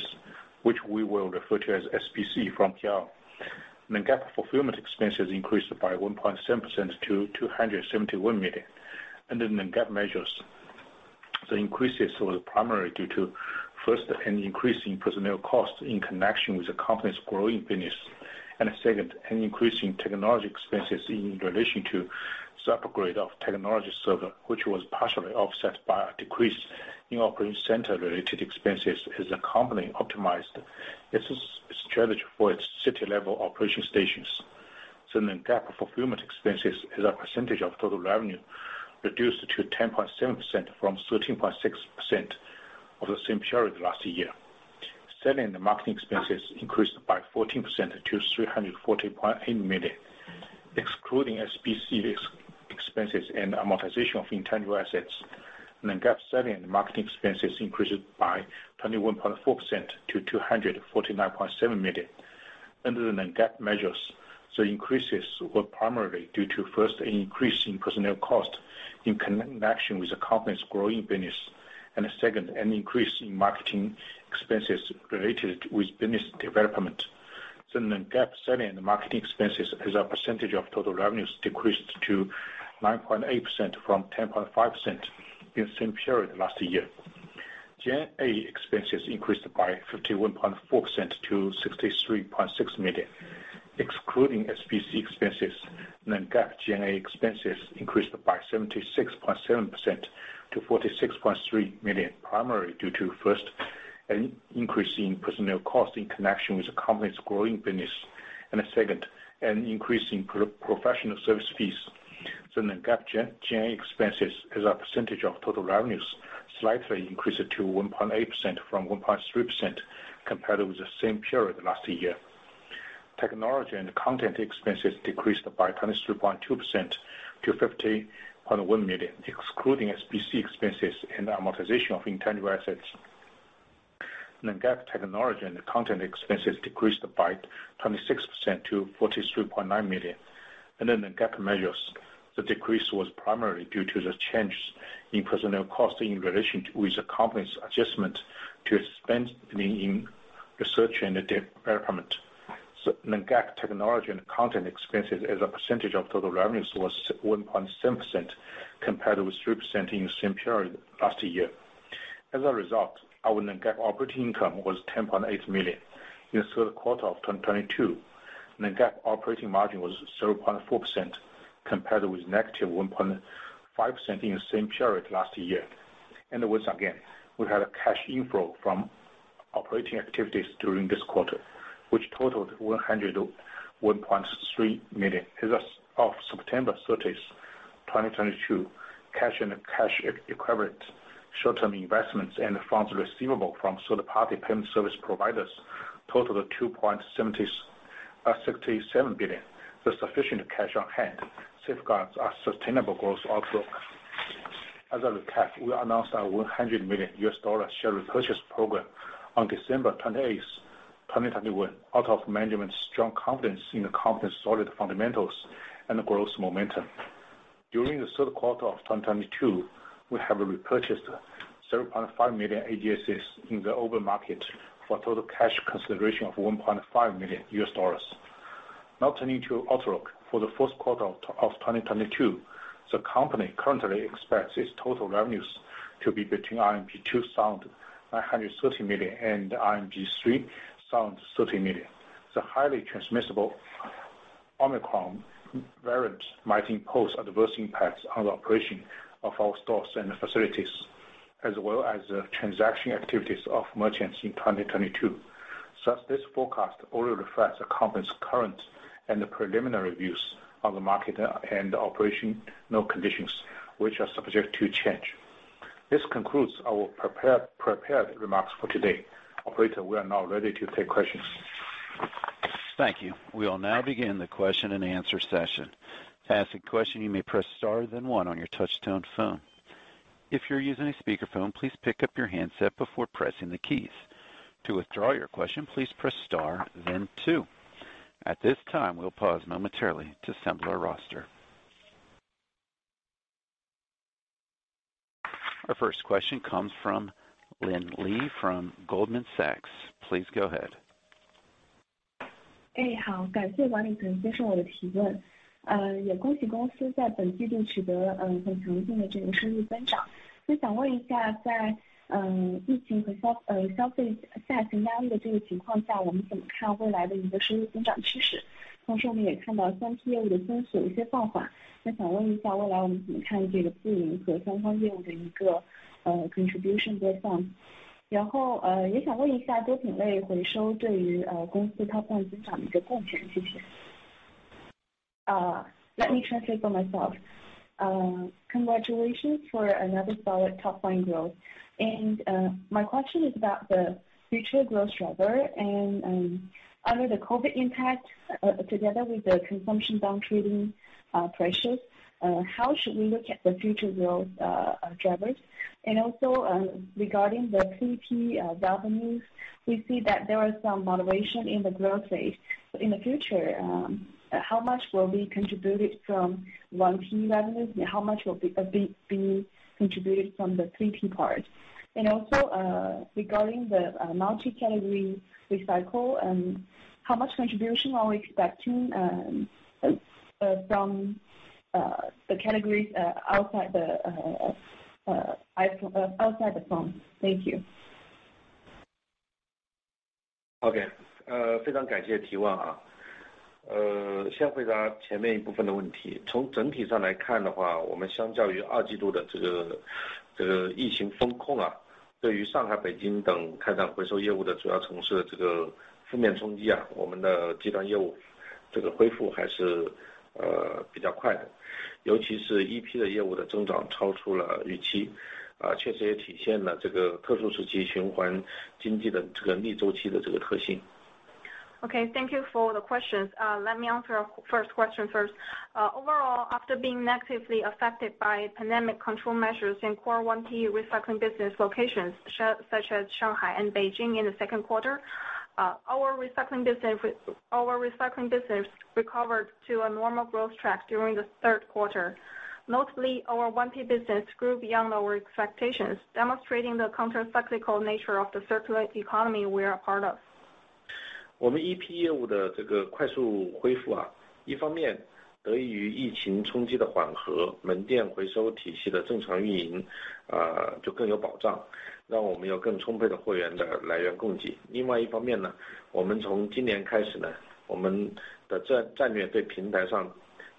which we will refer to as SBC from here on. Non-GAAP fulfillment expenses increased by 1.7% to 271 million. Under non-GAAP measures, the increases were primarily due to, first, an increase in personnel costs in connection with the company's growing business. Second, an increase in technology expenses in relation to separate grade of technology server, which was partially offset by a decrease in operating center-related expenses as the company optimized its strategy for its city-level operation stations. Non-GAAP fulfillment expenses as a percentage of total revenue reduced to 10.7% from 13.6% of the same period last year. Selling the marketing expenses increased by 14% to 340.8 million. Excluding SBC ex-expenses and amortization of intangible assets, non-GAAP selling and marketing expenses increased by 21.4% to 249.7 million. Under the non-GAAP measures, the increases were primarily due to, first, an increase in personnel cost in connection with the company's growing business. Second, an increase in marketing expenses related with business development. Non-GAAP selling and marketing expenses as a percentage of total revenues decreased to 9.8% from 10.5% in the same period last year. G&A expenses increased by 51.4% to 63.6 million. Excluding SBC expenses, non-GAAP G&A expenses increased by 76.7% to 46.3 million, primarily due to, first, an increase in personnel costs in connection with the company's growing business. Second, an increase in professional service fees. Non-GAAP G&A expenses as a percentage of total revenues slightly increased to 1.8% from 1.3% compared with the same period last year. Technology and content expenses decreased by 23.2% to 50.1 million. Excluding SBC expenses and amortization of intangible assets, non-GAAP technology and content expenses decreased by 26% to 43.9 million. Under the non-GAAP measures, the decrease was primarily due to the changes in personnel costs in relation with the company's adjustment to spending in research and development. Non-GAAP technology and content expenses as a percentage of total revenues was 1.7% compared with 3% in the same period last year. Our non-GAAP operating income was 10.8 million. In the third quarter of 2022, non-GAAP operating margin was 0.4% compared with -1.5% in the same period last year. Once again, we had a cash inflow from operating activities during this quarter, which totaled $101.3 million. As of September 30th, 2022, cash and cash equivalents, short-term investments, and funds receivable from third-party payment service providers totaled $2.67 billion. The sufficient cash on hand safeguards our sustainable growth outlook. As a recap, we announced our $100 million share repurchase program on December 28, 2021, out of management's strong confidence in the company's solid fundamentals and growth momentum. During the third quarter of 2022, we have repurchased 0.5 million ADSs in the open market for total cash consideration of $1.5 million. Now turning to outlook. For the first quarter of 2022, the company currently expects its total revenues to be between RMB 2,930 million and RMB 3,030 million. The highly transmissible Omicron variant might impose adverse impacts on the operation of our stores and facilities. As well as the transaction activities of merchants in 2022. Thus, this forecast only reflects the company's current and preliminary views on the market and operational conditions, which are subject to change. This concludes our prepared remarks for today. Operator, we are now ready to take questions. Thank you. We will now begin the question-and-answer session. To ask a question, you may press star, then one on your touchtone phone. If you're using a speakerphone, please pick up your handset before pressing the keys. To withdraw your question, please press star then two. At this time, we'll pause momentarily to assemble our roster. Our first question comes from Lynn Li from Goldman Sachs. Please go ahead. Hey, 好, 感谢管理层接受我的提 问, 也恭喜公司在本季度取得很强劲的这个收入增 长. 想问一 下, 在疫情和消费下行压力的这个情况 下, 我们怎么看未来的一个收入增长趋 势? 同时我们也看到 3P 业务的增速有些放 缓, 想问一下未来我们怎么看这个 4S 和三方业务的一个 contribution 的 放. 也想问一下多品类回收对于公司 top line 增长的一个贡 献, 谢 谢. Let me translate for myself. Congratulations for another solid top-line growth. My question is about the future growth driver and under the COVID-19 impact, together with the consumption down trading pressures, how should we look at the future growth drivers? Also, regarding the 3P revenues, we see that there are some moderation in the growth rate. In the future, how much will be contributed from 1P revenues, and how much will be contributed from the 3P part? Also, regarding the multi-category recycle, how much contribution are we expecting from the categories outside the phone? Thank you. Okay. 呃， 非常感谢提问啊。呃， 先回答前面一部分的问题。从整体上来看的 话， 我们相较于二季度的这 个， 这个疫情封控 啊， 对于上海、北京等开展回收业务的主要城市的这个负面冲击 啊， 我们的集团业务这个恢复还 是， 呃， 比较快的。尤其是 1P 的业务的增长超出了预 期， 啊， 确实也体现了这个特殊时期循环经济的这个逆周期的这个特性。Okay, thank you for the questions. Let me answer our first question first. Overall, after being negatively affected by pandemic control measures in core 1P recycling business locations such as Shanghai and Beijing in the second quarter, our recycling business recovered to a normal growth track during the third quarter. Notably, our 1P business grew beyond our expectations, demonstrating the counter-cyclical nature of the circular economy we are a part of. 我们 1P 业务的这个快速恢 复， 一方面得益于疫情冲击的缓 和， 门店回收体系的正常运 营， 就更有保 障， 让我们有更充沛的货源的来源供给。另外一方 面， 我们从今年开 始， 我们的战略对平台上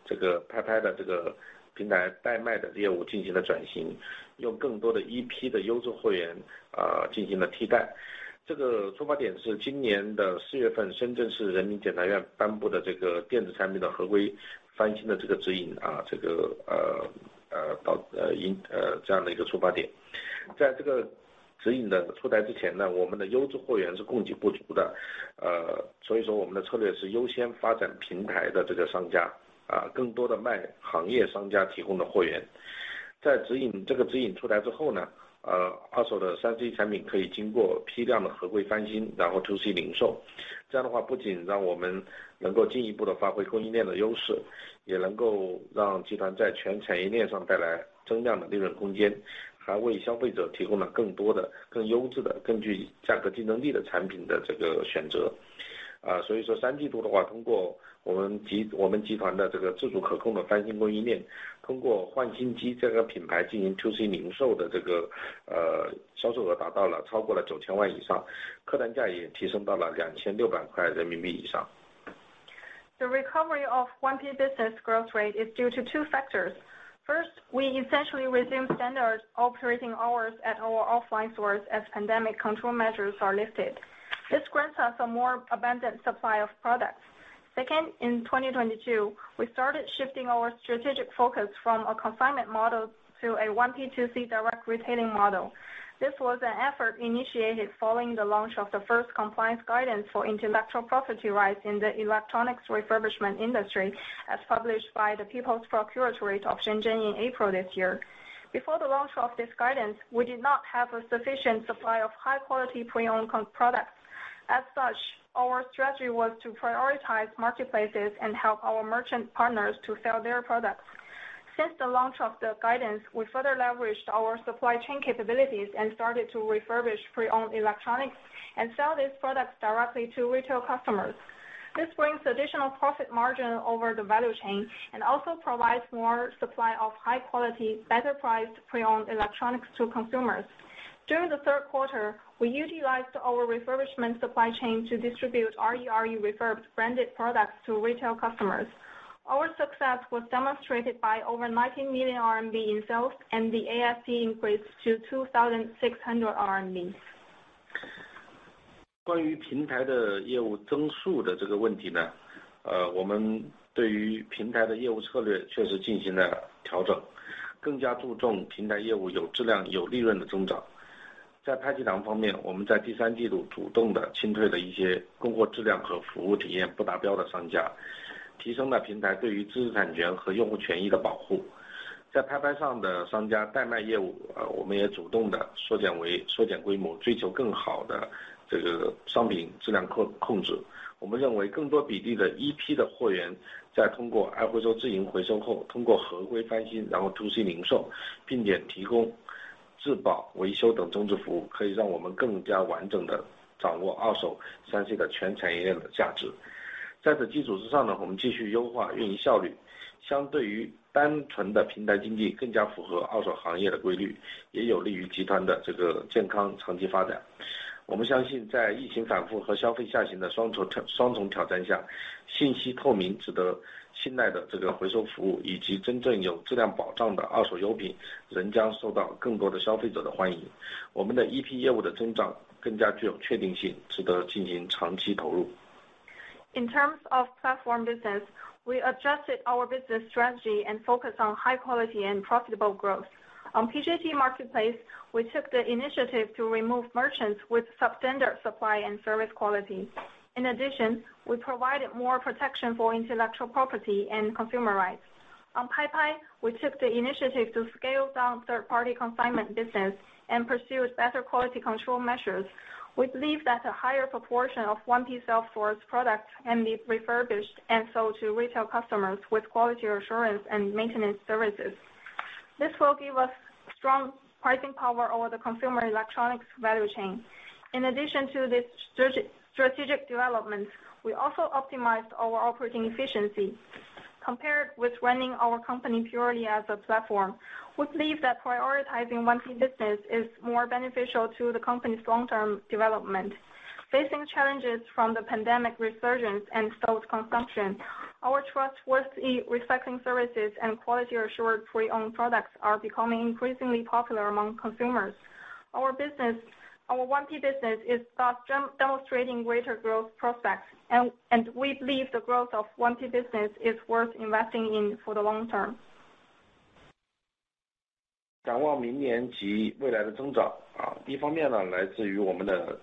这个 Paipai 的这个平台代卖的业务进行了转 型， 用更多的 1P 的优质会 员， 进行了替代。这个出发点是今年的四月 份， Shenzhen People's Procuratorate 颁布的这个电子产品的合规翻新的这个指引。这样的一个出发点。在这个指引的出台之 前， 我们的优质货源是供给不足 的， 所以说我们的策略是优先发展平台的这个商 家， 更多的卖行业商家提供的货源。在这个指引出来之 后， 二手的 3C 产品可以经过批量的合规翻 新， 然后 to C 零售。这样的 话， 不仅让我们能够进一步地发挥供应链的优 势， 也能够让集团在全产业链上带来增量的利润空间，还为消费者提供了更多的、更优质的、更具价格竞争力的产品的这个选择。所以说三季度的 话， 通过我们集团的这个自主可控的翻新供应 链， 通过焕新机这个品牌进行 to C 零售的这个销售额达到了超过了 RMB 90 million 以 上， 客单价也提升到了 RMB 2,600 以上。The recovery of 1P business growth rate is due to two factors. First, we essentially resumed standard operating hours at our offline stores as pandemic control measures are lifted. This grants us a more abundant supply of products. Second, in 2022, we started shifting our strategic focus from a consignment model to a 1P2C direct retailing model. This was an effort initiated following the launch of the first compliance guidance for intellectual property rights in the electronics refurbishment industry, as published by the Shenzhen People's Procuratorate in April this year. Before the launch of this guidance, we did not have a sufficient supply of high-quality pre-owned products. As such, our strategy was to prioritize marketplaces and help our merchant partners to sell their products. Since the launch of the guidance, we further leveraged our supply chain capabilities and started to refurbish pre-owned electronics and sell these products directly to retail customers. This brings additional profit margin over the value chain and also provides more supply of high quality, better priced pre-owned electronics to consumers. During the third quarter, we utilized our refurbishment supply chain to distribute RERE Refurbed branded products to retail customers. Our success was demonstrated by over 19 million RMB in sales, and the ASC increased to 2,600 RMB. 关于平台的业务增速的这个问题 呢， 呃， 我们对于平台的业务策略确实进行了调 整， 更加注重平台业务有质量有利润的增长。在拍即到方 面， 我们在第三季度主动地清退了一些供货质量和服务体验不达标的商 家， 提升了平台对于知识产权和用户权益的保护。在拍拍上的商家代卖业 务， 呃， 我们也主动地缩减为--缩减规 模， 追求更好的这个商品质量 控， 控制。我们认为更多比例的一批的货 源， 在通过爱回收自营回收 后， 通过合规翻 新， 然后 To C 零 售， 并且提供质保、维修等增值服 务， 可以让我们更加完整地掌握二手 3C 的全产业链的价值。在这基础之上 呢， 我们继续优化运营效 率， 相对于单纯的平台经 济， 更加符合二手行业的规 律， 也有利于集团的这个健康长期发展。我们相 信， 在疫情反复和消费下行的双重成--双重挑战 下， 信息透明、值得信赖的这个回收服 务， 以及真正有质量保障的二手优 品， 仍将受到更多的消费者的欢迎。我们的一批业务的增长更加具有确定 性， 值得进行长期投入。In terms of platform business, we adjusted our business strategy and focus on high quality and profitable growth. On PJT Marketplace, we took the initiative to remove merchants with substandard supply and service quality. In addition, we provided more protection for intellectual property and consumer rights. On Paipai, we took the initiative to scale down third party consignment business and pursue better quality control measures. We believe that a higher proportion of 1P sales force product can be refurbished and sold to retail customers with quality assurance and maintenance services. This will give us strong pricing power over the consumer electronics value chain. In addition to this strategic development, we also optimized our operating efficiency. Compared with running our company purely as a platform, we believe that prioritizing 1P business is more beneficial to the company's long-term development. Facing challenges from the pandemic resurgence and slow consumption, our trustworthy recycling services and quality assured pre-owned products are becoming increasingly popular among consumers. Our 1P business is thus demonstrating greater growth prospects, and we believe the growth of 1P business is worth investing in for the long term. 展望明年及未来的增 长， 啊， 一方面 呢， 来自于我们的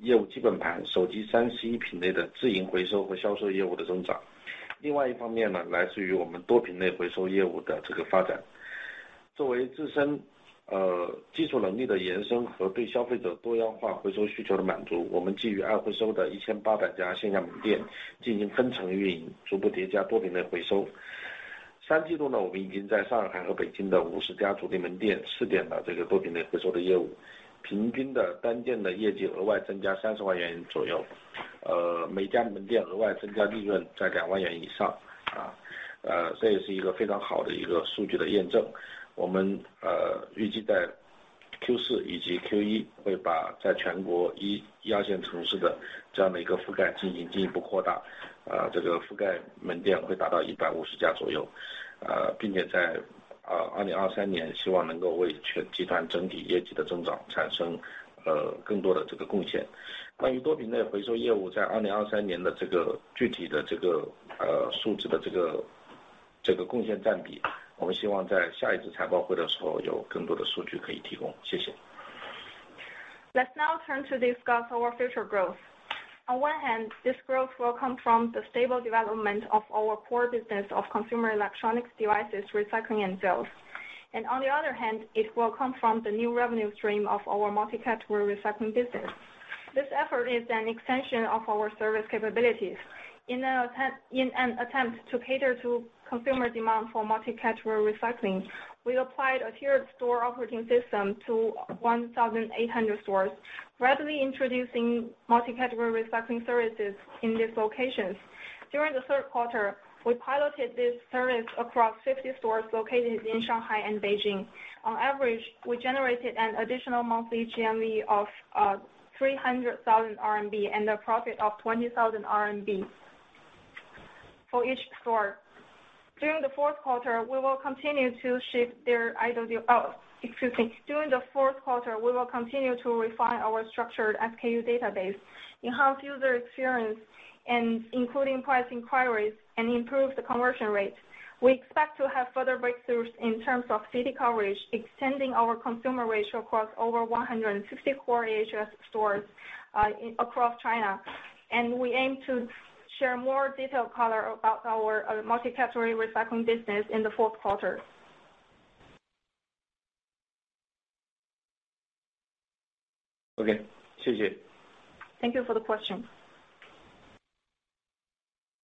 业务基本 盘， 手机 3C 品类的自营回收和销售业务的增长。另外一方面 呢， 来自于我们多品类回收业务的这个发展。作为自身， 呃， 技术能力的延伸和对消费者多样化回收需求的满 足， 我们基于爱回收的一千八百家线下门店进行分层运 营， 逐步叠加多品类回收。三季度 呢， 我们已经在上海和北京的五十家独立门店试点了这个多品类回收的业 务， 平均的单店的业绩额外增加三十万元左右。呃， 每家门店额外增加利润在两万元以上。啊， 呃， 这也是一个非常好的一个数据的验证。我 们， 呃， 预计在 Q4 以及 Q1 会把在全国一、一线城市的这样的一个覆盖进行进一步扩 大， 啊， 这个覆盖门店会达到一百五十家左右。呃， 并且在二、二零二三年希望能够为全集团整体业绩的增长产 生， 呃， 更多的这个贡献。关于多品类回收业务在二零二三年的这个具体的这 个， 呃， 数字的这 个， 这个贡献占 比， 我们希望在下一次财报会的时候有更多的数据可以提供。谢谢。Let's now turn to discuss our future growth. On one hand, this growth will come from the stable development of our core business of consumer electronics devices recycling and sales. On the other hand, it will come from the new revenue stream of our multi-category recycling business. This effort is an extension of our service capabilities. In an attempt to cater to consumer demand for multi-category recycling, we applied a tiered store operating system to 1,800 stores, gradually introducing multi-category recycling services in these locations. During the third quarter, we piloted this service across 50 stores located in Shanghai and Beijing. On average, we generated an additional monthly GMV of 300,000 RMB and a profit of 20,000 RMB for each store. During the fourth quarter, we will continue to shift their. Oh, excuse me. During the fourth quarter, we will continue to refine our structured SKU database, enhance user experience and including price inquiries and improve the conversion rate. We expect to have further breakthroughs in terms of city coverage, extending our consumer ratio across over 160 core AHS stores in across China. We aim to share more detailed color about our multi-category recycling business in the fourth quarter. Okay. 谢 谢. Thank you for the question.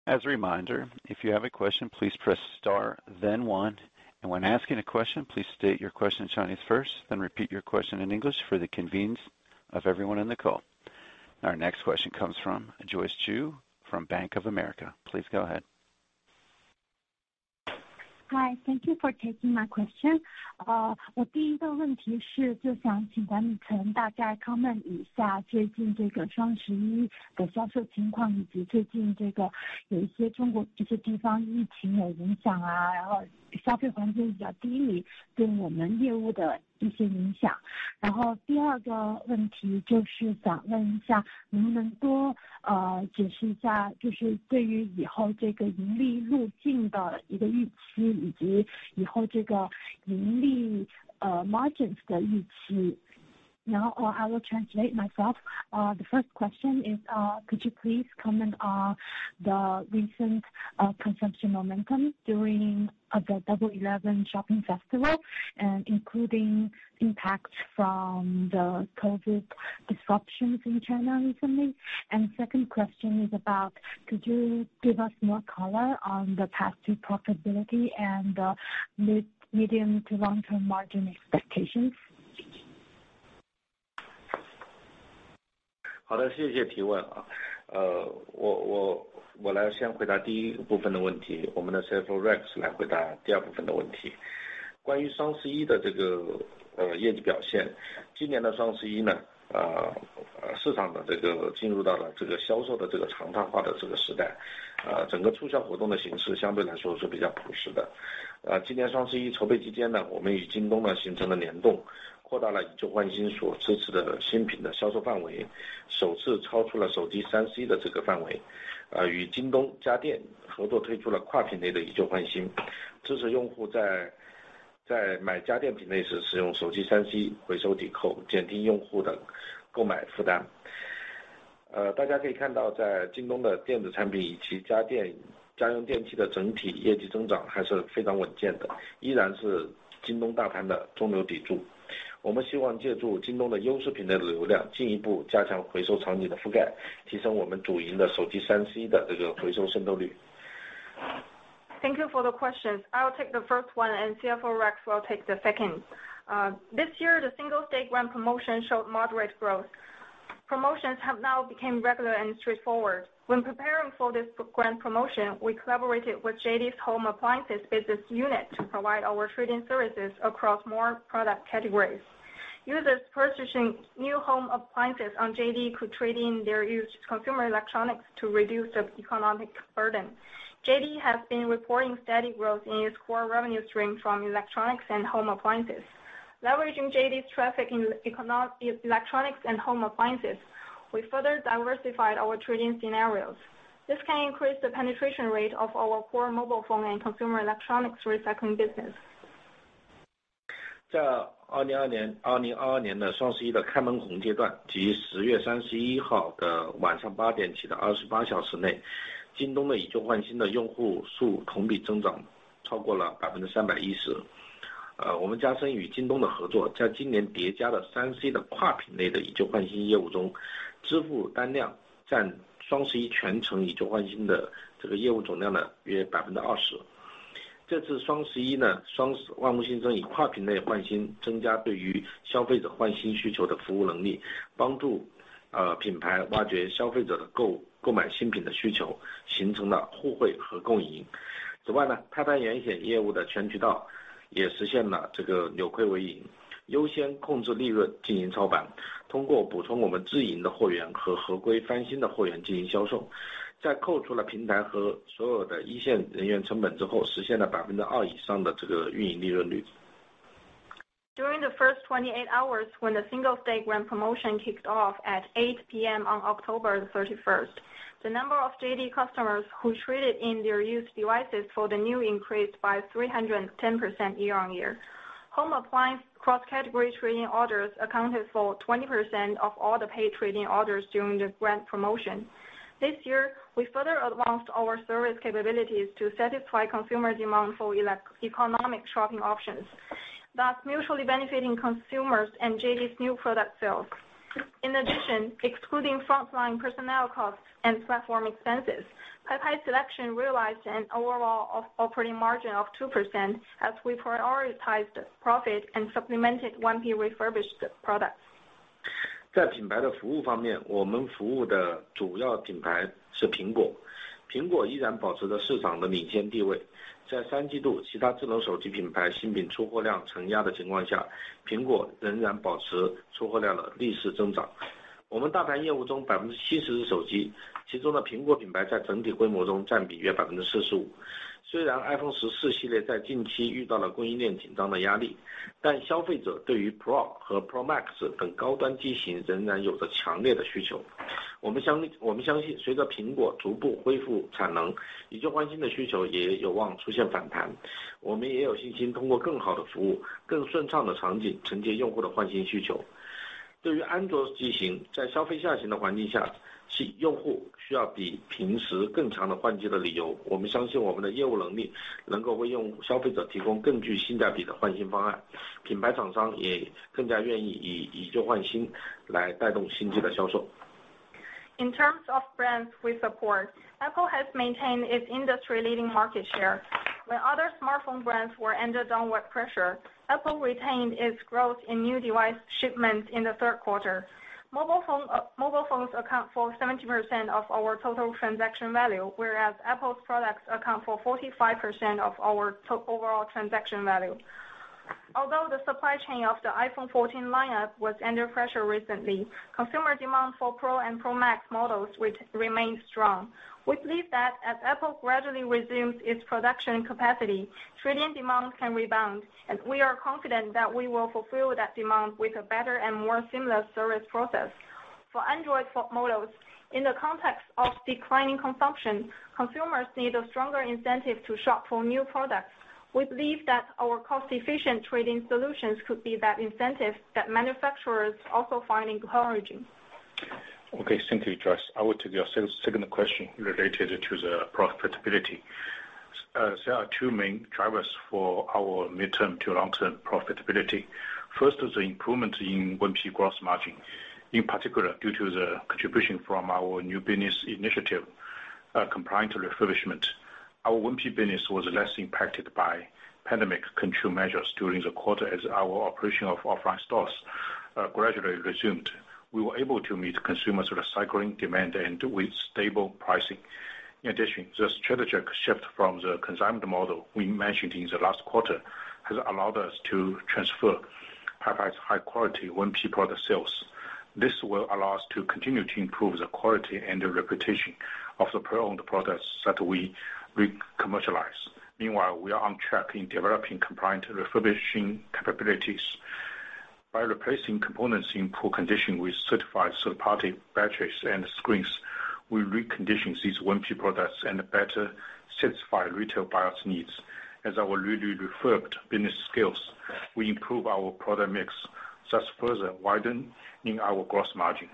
As a reminder, if you have a question, please press star then one. When asking a question, please state your question in Chinese first, then repeat your question in English for the convenience of everyone in the call. Our next question comes from Joyce Ju from Bank of America. Please go ahead. 嗨 Thank you for taking my question. 我第一个问题是就想请管理层大概 comment 一下最近这个双十一的销售情 况， 以及最近这个有一些中国某些地方疫情有影 响， 然后消费环境比较低 迷， 对我们业务的一些影响。第二个问题就是想问一 下， 能不能多解释一 下， 就是对于以后这个盈利路径的一个预 期， 以及以后这个盈利 margins 的预期。Now I will translate myself. The first question is could you please comment on the recent consumption momentum during the Double 11 shopping festival and including impact from the COVID-19 disruptions in China recently. Second question is about could you give us more color on the path to profitability and the medium to long term margin expectations. 好 的， 谢谢提问。呃我我我来先回答第一部分的问 题， 我们的 CFO Rex 来回答第二部分的问题。关于双十一的这个呃业绩表 现， 今年的双十一 呢， 呃市场的这个进入到了这个销售的这个常态化的这个时 代， 呃整个促销活动的形式相对来说是比较朴实的。呃今年双十一筹备期间 呢， 我们与京东呢形成了联 动， 扩大了以旧换新所支持的新品的销售范 围， 首次超出了手机 3C 的这个范围。呃与京东家电合作推出了跨品类的以旧换 新， 支持用户在在买家电品类时使用手机 3C 回收抵 扣， 减轻用户的购买负担。呃大家可以看 到， 在京东的电子产品以及家电家用电器的整体业绩增长还是非常稳健 的， 依然是京东大盘的中流砥柱。我们希望借助京东的优势品的流 量， 进一步加强回收场景的覆 盖， 提升我们主营的手机 3C 的这个回收渗透率。Thank you for the questions. I'll take the first one and CFO, Rex Chen will take the second. This year, the single day grand promotion showed moderate growth. Promotions have now became regular and straightforward. When preparing for this grand promotion, we collaborated with JD.com's home appliances business unit to provide our trading services across more product categories. Users purchasing new home appliances on JD.com could trade in their used consumer electronics to reduce the economic burden. JD.com has been reporting steady growth in its core revenue stream from electronics and home appliances. Leveraging JD.com's traffic in econ-electronics and home appliances, we further diversified our trading scenarios. This can increase the penetration rate of our core mobile phone and consumer electronics recycling business. 在2022年 ，2022 年的双十一的开门红阶 段， 即10月31号的晚上八点起的二十八小时 内， 京东的以旧换新的用户数同比增长超过了百分之三百一十。呃我们加深与京东的合 作， 在今年叠加了 3C 的跨品类的以旧换新业务 中， 支付单量占双十一全程以旧换新的这个业务总量呢约百分之二十。这次双十一 呢， 双十一物新生以跨品类换 新， 增加对于消费者换新需求的服务能 力， 帮助呃品牌挖掘消费者的购-购买新品的需 求， 形成了互惠和共赢。此外 呢， 拍拍延选业务的全渠道也实现了这个扭亏为 盈， 优先控制利润进行操 盘， 通过补充我们自营的货源和合规翻新的货源进行销售。在扣除了平台和所有的一线人员成本之 后， 实现了百分之二以上的这个运营利润率。During the first 28 hours when the single day grand promotion kicked off at 8:00 P.M. on October 31st, the number of JD.com customers who traded in their used devices for the new increased by 310% year-over-year. Home appliance cross category trading orders accounted for 20% of all the paid trading orders during the grand promotion. This year, we further advanced our service capabilities to satisfy consumers demand for elec-economic shopping options, thus mutually benefiting consumers and JD.com's new product sales. In addition, excluding frontline personnel costs and platform expenses, Paipai Selection realized an overall of-operating margin of 2% as we prioritized profit and supplemented 1P refurbished products. 在品牌的服务方 面， 我们服务的主要品牌是苹 果， 苹果依然保持着市场的领先地位。在三季度其他智能手机品牌新品出货量承压的情况 下， 苹果仍然保持出货量的逆势增长。我们大盘业务中百分之七十是手 机， 其中的苹果品牌在整体规模中占比约百分之四十五。虽然 iPhone 14系列在近期遇到了供应链紧张的压 力， 但消费者对于 Pro 和 Pro Max 等高端机型仍然有着强烈的需求。我们相 信， 我们相 信， 随着苹果逐步恢复产 能， 以旧换新的需求也有望出现反弹。我们也有信心通过更好的服 务， 更顺畅的场 景， 承接用户的换新需求。对于安卓机 型， 在消费下行的环境 下， 吸引用户需要比平时更强的换机的理由。我们相信我们的业务能力能够为用-消费者提供更具性价比的换新方 案， 品牌厂商也更加愿意以以旧换新来带动新机的销售。In terms of brands we support, Apple has maintained its industry leading market share. When other smartphone brands were under downward pressure, Apple retained its growth in new device shipments in the third quarter. Mobile phones account for 70% of our total transaction value, whereas Apple's products account for 45% of our total overall transaction value. Although the supply chain of the iPhone 14 lineup was under pressure recently, consumer demand for iPhone Pro and iPhone Pro Max models remain strong. We believe that as Apple gradually resumes its production capacity, trading demand can rebound, and we are confident that we will fulfill that demand with a better and more seamless service process. For Android phone models, in the context of declining consumption, consumers need a stronger incentive to shop for new products. We believe that our cost-efficient trading solutions could be that incentive that manufacturers also find encouraging. Okay. Thank you, Joyce. I will take your second question related to the profitability. There are two main drivers for our midterm to long-term profitability. First is the improvement in 1P gross margin, in particular, due to the contribution from our new business initiative, compliant refurbishment. Our 1P business was less impacted by pandemic control measures during the quarter as our operation of offline stores gradually resumed. We were able to meet consumers recycling demand and with stable pricing. The strategic shift from the consignment model we mentioned in the last quarter has allowed us to transfer high price, high quality 1P product sales. This will allow us to continue to improve the quality and the reputation of the pre-owned products that we commercialize. We are on track in developing compliant refurbishing capabilities. By replacing components in poor condition with certified third-party batteries and screens, we recondition these 1P products and better satisfy retail buyers' needs. As our newly referred business scales, we improve our product mix, thus further widening our gross margin.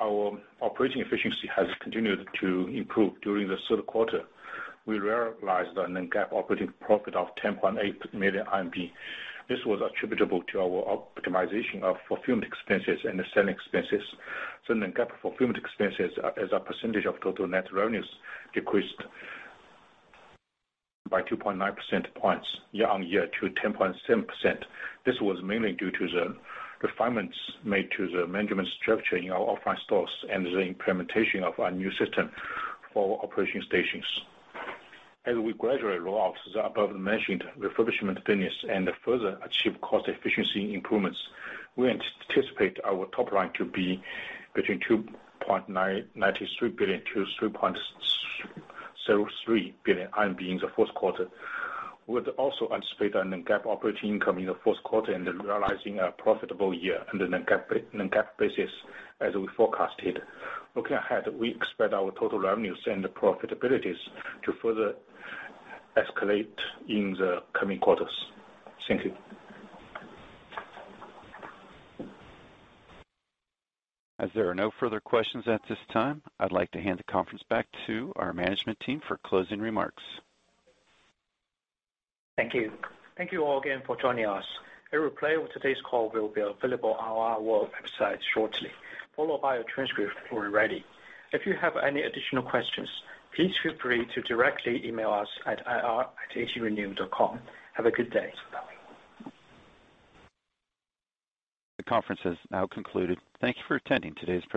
Our operating efficiency has continued to improve during the third quarter. We realized a non-GAAP operating profit of 10.8 million RMB. This was attributable to our optimization of fulfillment expenses and the selling expenses. Non-GAAP fulfillment expenses as a percentage of total net revenues decreased by 2.9 percentage points year-over-year to 10.7%. This was mainly due to the refinements made to the management structure in our offline stores and the implementation of our new system for operation stations. As we gradually roll out the above-mentioned refurbishment business and further achieve cost efficiency improvements, we anticipate our top line to be between 2.93 billion- 3.03 billion RMB in the fourth quarter. We'd also anticipate a non-GAAP operating income in the fourth quarter and realizing a profitable year on a non-GAAP basis as we forecasted. Looking ahead, we expect our total revenues and profitabilities to further escalate in the coming quarters. Thank you. As there are no further questions at this time, I'd like to hand the conference back to our management team for closing remarks. Thank you. Thank you all again for joining us. A replay of today's call will be available on our website shortly, followed by a transcript when ready. If you have any additional questions, please feel free to directly email us at ir@atrenew.com. Have a good day. Bye. The conference has now concluded. Thank you for attending today's presentation.